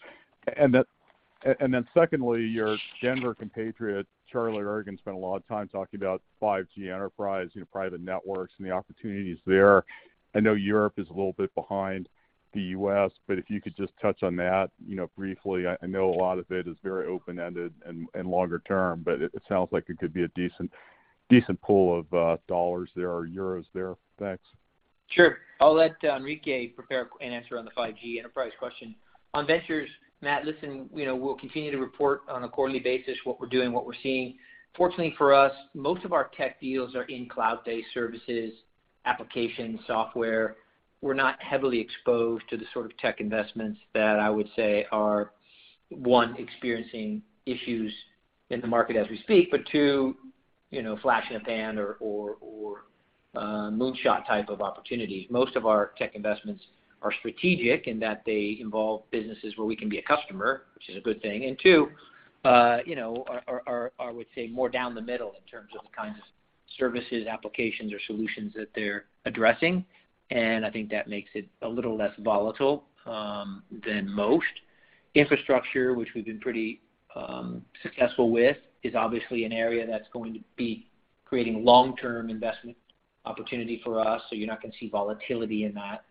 [SPEAKER 12] Secondly, your Denver compatriot, Charlie Ergen, spent a lot of time talking about 5G enterprise, you know, private networks and the opportunities there. I know Europe is a little bit behind the U.S., but if you could just touch on that, you know, briefly. I know a lot of it is very open-ended and longer term, but it sounds like it could be a decent pool of dollars there or euros there. Thanks.
[SPEAKER 2] Sure. I'll let Enrique prepare an answer on the 5G enterprise question. On ventures, Matt, listen, you know, we'll continue to report on a quarterly basis what we're doing, what we're seeing. Fortunately for us, most of our tech deals are in cloud-based services, application software. We're not heavily exposed to the sort of tech investments that I would say are, one, experiencing issues in the market as we speak, but two, you know, flash in the pan or moon shot type of opportunities. Most of our tech investments are strategic in that they involve businesses where we can be a customer, which is a good thing. Two, you know, are, I would say, more down the middle in terms of the kinds of services, applications or solutions that they're addressing. I think that makes it a little less volatile than most. Infrastructure, which we've been pretty successful with, is obviously an area that's going to be creating long-term investment opportunity for us. You're not going to see volatility in that.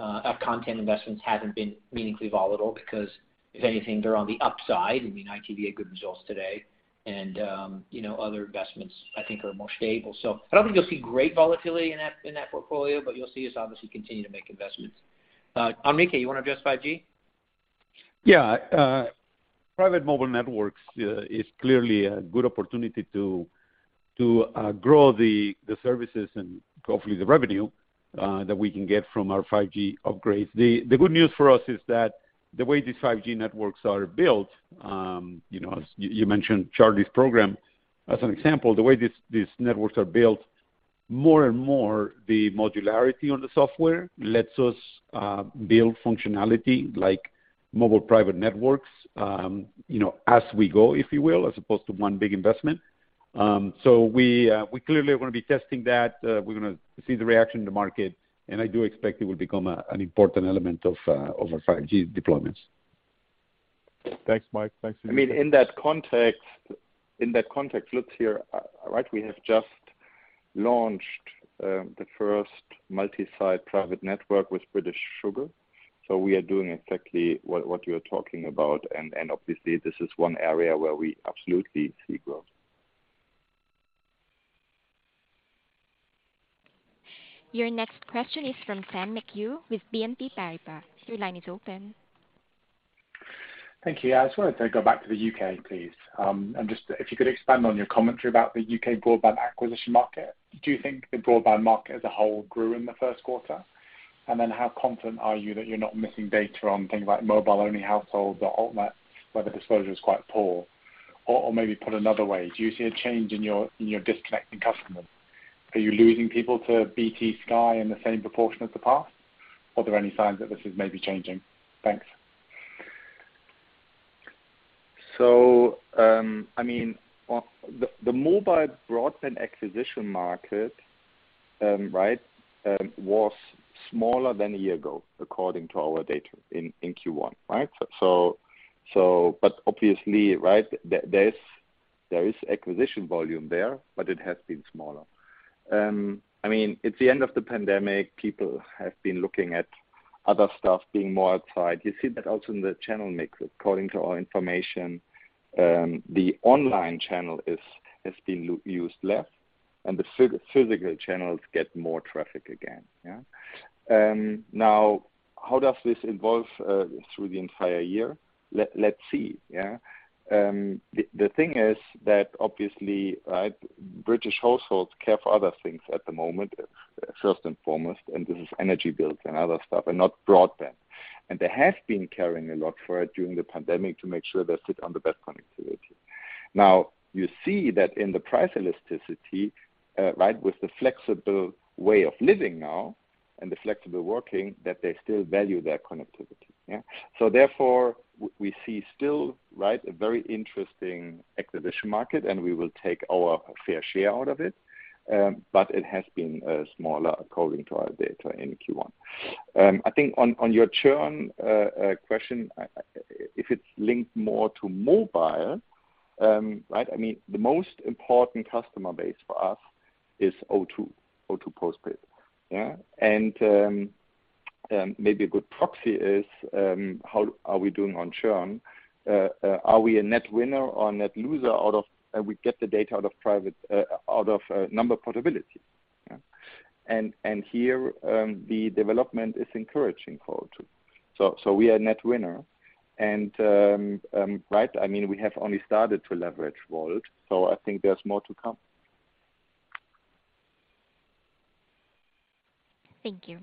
[SPEAKER 2] Our content investments haven't been meaningfully volatile because if anything, they're on the upside. I mean, ITV had good results today. You know, other investments, I think, are more stable. I don't think you'll see great volatility in that portfolio, but you'll see us obviously continue to make investments. Enrique, you wanna address 5G?
[SPEAKER 13] Yeah. Private mobile networks is clearly a good opportunity to grow the services and hopefully the revenue that we can get from our 5G upgrades. The good news for us is that the way these 5G networks are built, you know, as you mentioned Charlie's program as an example, the way these networks are built, more and more the modularity on the software lets us build functionality like mobile private networks, you know, as we go, if you will, as opposed to one big investment. We clearly are gonna be testing that. We're gonna see the reaction in the market, and I do expect it will become an important element of our 5G deployments.
[SPEAKER 12] Thanks, Mike. Thanks, Enrique.
[SPEAKER 7] I mean, in that context, Lutz here, right? We have just launched the first multi-site private network with British Sugar. We are doing exactly what you're talking about. Obviously, this is one area where we absolutely see growth.
[SPEAKER 1] Your next question is from Sam McHugh with BNP Paribas. Your line is open.
[SPEAKER 14] Thank you. I just wanted to go back to the UK, please. Just if you could expand on your commentary about the UK broadband acquisition market. Do you think the broadband market as a whole grew in the first quarter? Then how confident are you that you're not missing data on things like mobile-only households or altnet, where the disclosure is quite poor? Or maybe put another way, do you see a change in your disconnecting customers? Are you losing people to BT, Sky in the same proportion as the past? Are there any signs that this is maybe changing? Thanks.
[SPEAKER 7] I mean, on the mobile broadband acquisition market, right, was smaller than a year ago according to our data in Q1, right? But obviously, right, there is acquisition volume there, but it has been smaller. I mean, it's the end of the pandemic. People have been looking at other stuff, being more outside. You see that also in the channel mix. According to our information, the online channel has been used less and the physical channels get more traffic again, yeah. Now, how does this evolve through the entire year? Let's see, yeah. The thing is that obviously, right, British households care for other things at the moment, first and foremost, and this is energy bills and other stuff and not broadband. They have been caring a lot for it during the pandemic to make sure they sit on the best connectivity. Now, you see that in the price elasticity, right, with the flexible way of living now and the flexible working, that they still value their connectivity, yeah. Therefore, we see still, right, a very interesting acquisition market, and we will take our fair share out of it. It has been smaller according to our data in Q1. I think on your churn question, if it's linked more to mobile, right? I mean, the most important customer base for us is O2 postpaid, yeah. Maybe a good proxy is how are we doing on churn? Are we a net winner or a net loser out of... We get the data out of number portability, yeah. Here, the development is encouraging for O2. We are net winner and, right, I mean, we have only started to leverage Volt, so I think there's more to come.
[SPEAKER 1] Thank you.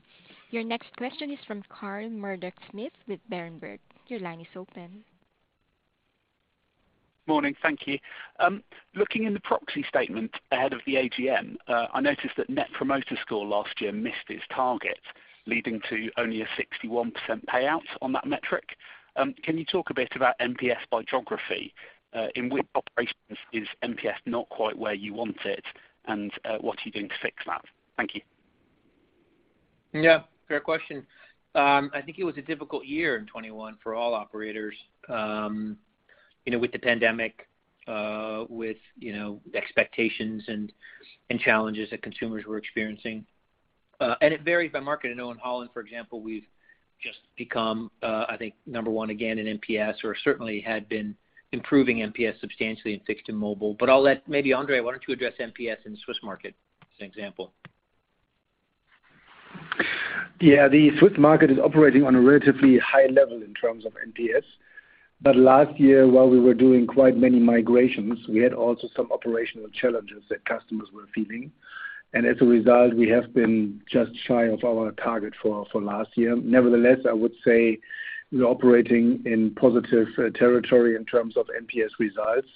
[SPEAKER 1] Your next question is from Carl Murdock-Smith with Berenberg. Your line is open.
[SPEAKER 15] Morning. Thank you. Looking in the proxy statement ahead of the AGM, I noticed that Net Promoter Score last year missed its target, leading to only a 61% payout on that metric. Can you talk a bit about NPS by geography? In which operations is NPS not quite where you want it, and what are you doing to fix that? Thank you.
[SPEAKER 2] Yeah, fair question. I think it was a difficult year in 2021 for all operators, you know, with the pandemic, with, you know, expectations and challenges that consumers were experiencing. It varies by market. I know in Holland, for example, we've just become, I think number one again in NPS or certainly had been improving NPS substantially in fixed and mobile. But I'll let maybe André, why don't you address NPS in the Swiss market as an example?
[SPEAKER 16] Yeah. The Swiss market is operating on a relatively high level in terms of NPS. Last year, while we were doing quite many migrations, we had also some operational challenges that customers were feeling. As a result, we have been just shy of our target for last year. Nevertheless, I would say we're operating in positive territory in terms of NPS results,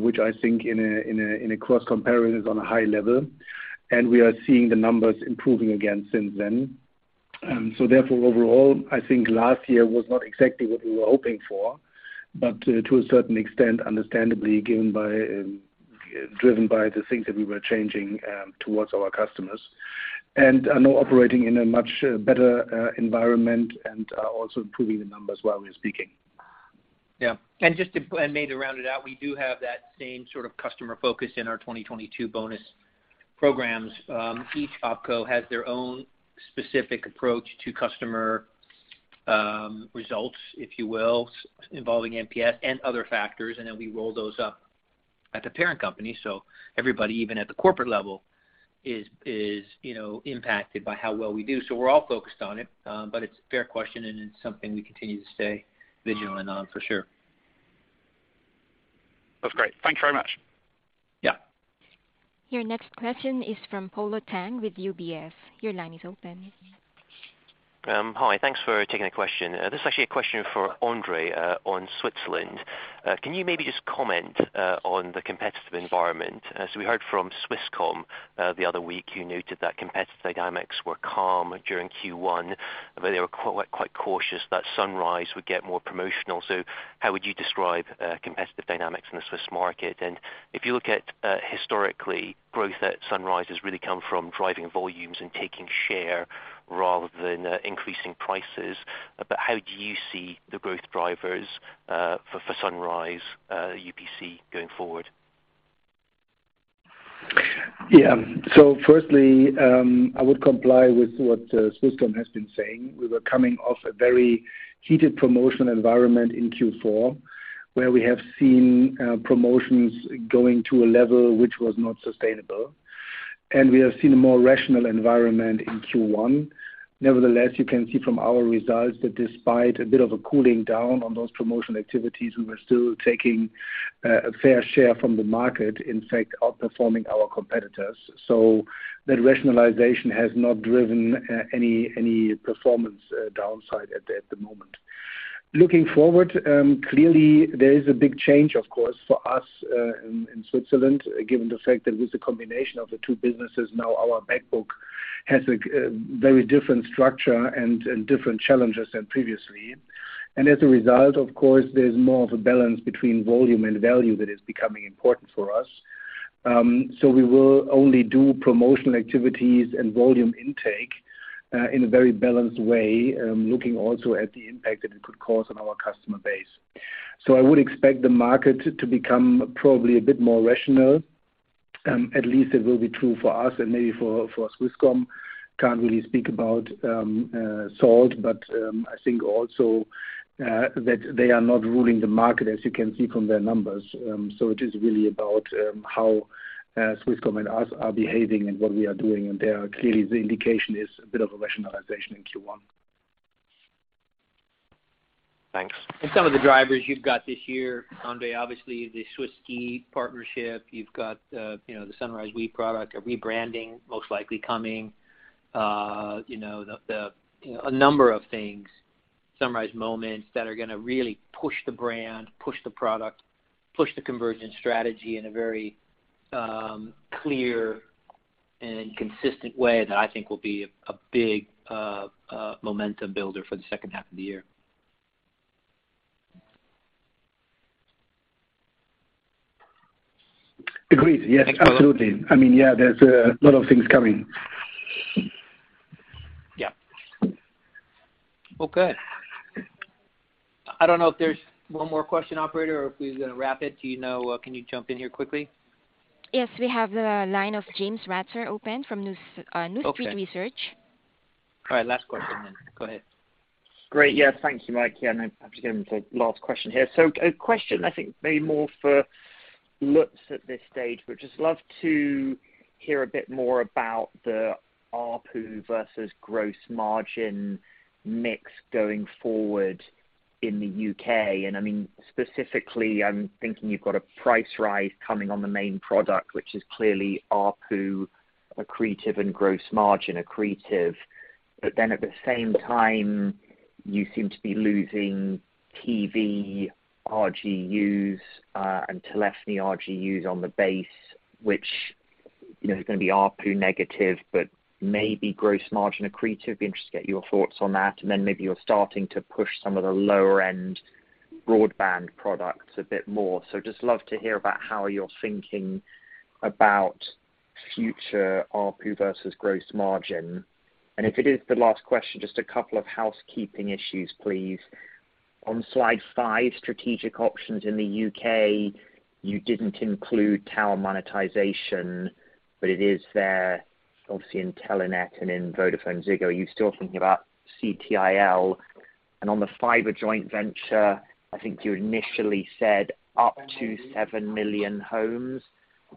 [SPEAKER 16] which I think in a cross comparison is on a high level, and we are seeing the numbers improving again since then. Therefore, overall, I think last year was not exactly what we were hoping for, but to a certain extent, understandably driven by the things that we were changing towards our customers. We are now operating in a much better environment and also improving the numbers while we're speaking.
[SPEAKER 2] Yeah. Maybe to round it out, we do have that same sort of customer focus in our 2022 bonus programs. Each OpCo has their own specific approach to customer results, if you will, involving NPS and other factors, and then we roll those up at the parent company. Everybody, even at the corporate level, is, you know, impacted by how well we do. We're all focused on it. It's a fair question, and it's something we continue to stay vigilant on for sure.
[SPEAKER 15] That's great. Thank you very much.
[SPEAKER 2] Yeah.
[SPEAKER 1] Your next question is from Polo Tang with UBS. Your line is open.
[SPEAKER 17] Hi. Thanks for taking the question. This is actually a question for André, on Switzerland. Can you maybe just comment on the competitive environment? As we heard from Swisscom the other week, you noted that competitive dynamics were calm during Q1, but they were quite cautious that Sunrise would get more promotional. How would you describe competitive dynamics in the Swiss market? If you look at historically, growth at Sunrise has really come from driving volumes and taking share rather than increasing prices. How do you see the growth drivers for Sunrise UPC going forward?
[SPEAKER 16] Yeah. Firstly, I would comply with what Swisscom has been saying. We were coming off a very heated promotional environment in Q4, where we have seen promotions going to a level which was not sustainable, and we have seen a more rational environment in Q1. Nevertheless, you can see from our results that despite a bit of a cooling down on those promotional activities, we were still taking a fair share from the market, in fact, outperforming our competitors. That rationalization has not driven any performance downside at the moment. Looking forward, clearly there is a big change, of course, for us in Switzerland, given the fact that with the combination of the two businesses now our backbook has a very different structure and different challenges than previously. As a result, of course, there's more of a balance between volume and value that is becoming important for us. We will only do promotional activities and volume intake in a very balanced way, looking also at the impact that it could cause on our customer base. I would expect the market to become probably a bit more rational, at least it will be true for us and maybe for Swisscom. Can't really speak about Salt, but I think also that they are not ruling the market as you can see from their numbers. It is really about how Swisscom and us are behaving and what we are doing. There are clearly the indication is a bit of a rationalization in Q1.
[SPEAKER 17] Thanks.
[SPEAKER 2] Some of the drivers you've got this year, André, obviously the Swiss-Ski partnership. You've got, you know, the Sunrise We product, a rebranding most likely coming. You know, a number of things, Sunrise Moments that are gonna really push the brand, push the product, push the convergence strategy in a very clear and consistent way that I think will be a big momentum builder for the second half of the year.
[SPEAKER 16] Agreed. Yes, absolutely. I mean, yeah, there's a lot of things coming.
[SPEAKER 2] Yeah. Well, good. I don't know if there's one more question, operator, or if we're gonna wrap it. Do you know? Can you jump in here quickly?
[SPEAKER 1] Yes. We have the line of James Ratzer open from New Street Research.
[SPEAKER 2] Okay
[SPEAKER 1] New Street Research.
[SPEAKER 2] All right. Last question then. Go ahead.
[SPEAKER 18] Great. Yeah. Thank you, Mike. Yeah, no, absolutely. Last question here. A question I think maybe more for Lutz at this stage, but just love to hear a bit more about the ARPU versus gross margin mix going forward in the UK. I mean, specifically, I'm thinking you've got a price rise coming on the main product, which is clearly ARPU accretive and gross margin accretive. Then at the same time, you seem to be losing TV RGUs and telephony RGUs on the base, which, you know, is gonna be ARPU negative, but maybe gross margin accretive. Be interested to get your thoughts on that. Then maybe you're starting to push some of the lower end broadband products a bit more. Just love to hear about how you're thinking about future ARPU versus gross margin. If it is the last question, just a couple of housekeeping issues, please. On slide 5, strategic options in the UK, you didn't include tower monetization, but it is there obviously in Telenet and in VodafoneZiggo. You're still thinking about CTIL. On the fiber joint venture, I think you initially said up to 7 million homes.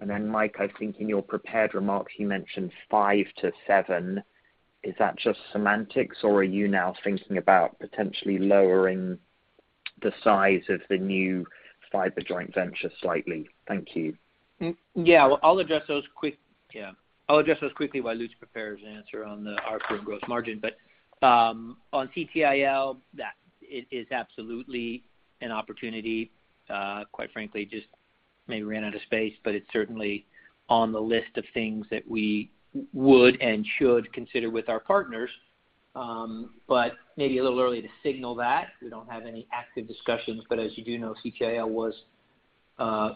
[SPEAKER 18] Then Mike, I think in your prepared remarks, you mentioned 5-7. Is that just semantics or are you now thinking about potentially lowering the size of the new fiber joint venture slightly? Thank you.
[SPEAKER 2] I'll address those quickly while Lutz prepares answer on the ARPU and gross margin. On CTIL, that is absolutely an opportunity, quite frankly, just maybe ran out of space, but it's certainly on the list of things that we would and should consider with our partners. Maybe a little early to signal that. We don't have any active discussions. As you do know, CTIL was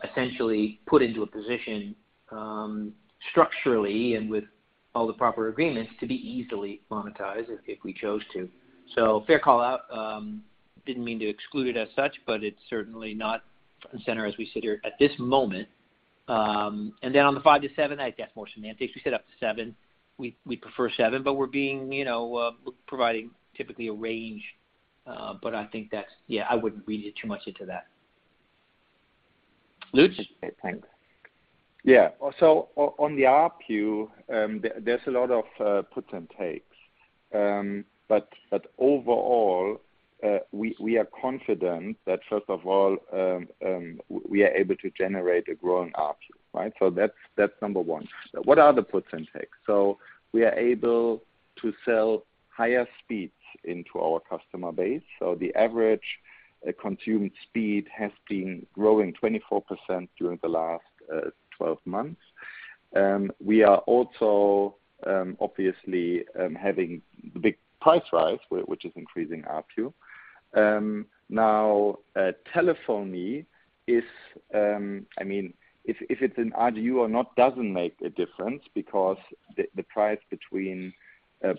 [SPEAKER 2] essentially put into a position, structurally and with all the proper agreements to be easily monetized if we chose to. Fair call-out, didn't mean to exclude it as such, but it's certainly not the center as we sit here at this moment. On the 5-7, I think that's more semantics. We set up to 7. We prefer seven, but we're being, you know, we're providing typically a range. But I think that's. Yeah, I wouldn't read too much into that. Lutz?
[SPEAKER 18] Okay, thanks.
[SPEAKER 7] Yeah. On the ARPU, there's a lot of puts and takes. Overall, we are confident that first of all, we are able to generate a growing ARPU, right? That's number one. What are the puts and takes? We are able to sell higher speeds into our customer base. The average consumed speed has been growing 24% during the last 12 months. We are also obviously having big price rise, which is increasing ARPU. Now, telephony is, I mean, if it's an RGU or not doesn't make a difference because the price between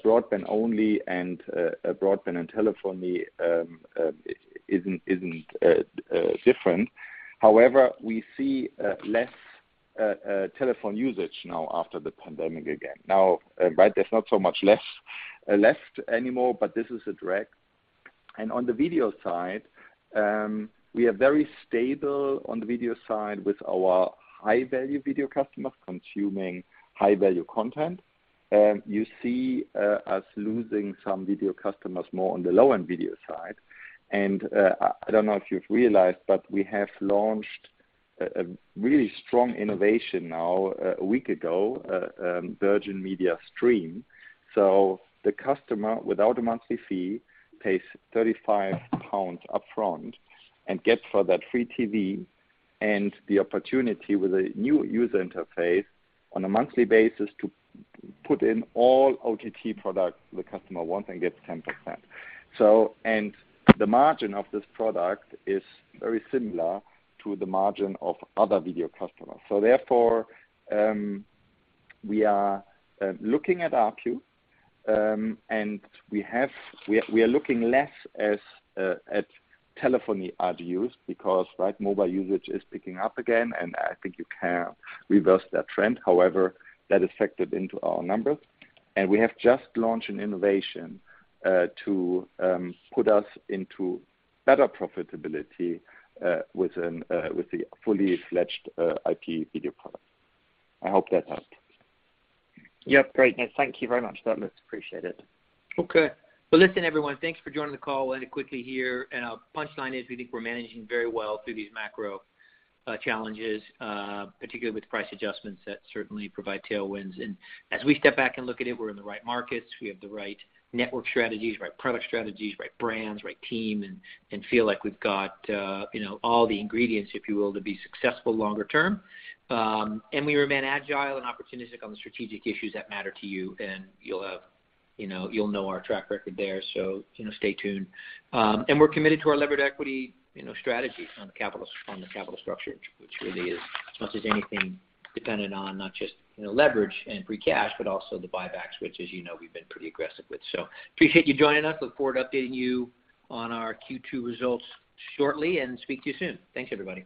[SPEAKER 7] broadband only and broadband and telephony isn't different. However, we see less telephone usage now after the pandemic again. Now, there's not so much less left anymore, but this is a drag. On the video side, we are very stable on the video side with our high value video customers consuming high value content. You see us losing some video customers more on the low-end video side. I don't know if you've realized, but we have launched a really strong innovation now a week ago, Virgin Media Stream. The customer without a monthly fee pays 35 pounds upfront and gets for that free TV and the opportunity with a new user interface on a monthly basis to put in all OTT products the customer wants and gets 10%. The margin of this product is very similar to the margin of other video customers. We are looking at ARPU, and we are looking less at telephony add-ons because mobile usage is picking up again, and I think you can reverse that trend. However, that is factored into our numbers. We have just launched an innovation to put us into better profitability with the full-fledged IP video product. I hope that helps.
[SPEAKER 18] Yep, great. Thank you very much for that, Lutz. Appreciate it.
[SPEAKER 2] Okay. Well, listen, everyone, thanks for joining the call. We'll end it quickly here. Our punchline is we think we're managing very well through these macro challenges, particularly with price adjustments that certainly provide tailwinds. As we step back and look at it, we're in the right markets. We have the right network strategies, right product strategies, right brands, right team, and feel like we've got, you know, all the ingredients, if you will, to be successful longer term. We remain agile and opportunistic on the strategic issues that matter to you, and you'll have, you know, you'll know our track record there. You know, stay tuned. We're committed to our levered equity, you know, strategy on the capital structure, which really is, as much as anything dependent on not just, you know, leverage and free cash, but also the buybacks, which as you know, we've been pretty aggressive with. Appreciate you joining us. Look forward to updating you on our Q2 results shortly and speak to you soon. Thanks, everybody.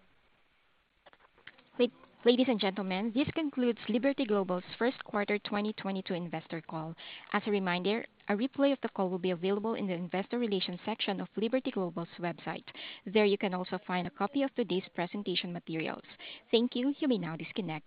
[SPEAKER 1] Ladies and gentlemen, this concludes Liberty Global's first quarter 2022 investor call. As a reminder, a replay of the call will be available in the investor relations section of Liberty Global's website. There you can also find a copy of today's presentation materials. Thank you. You may now disconnect.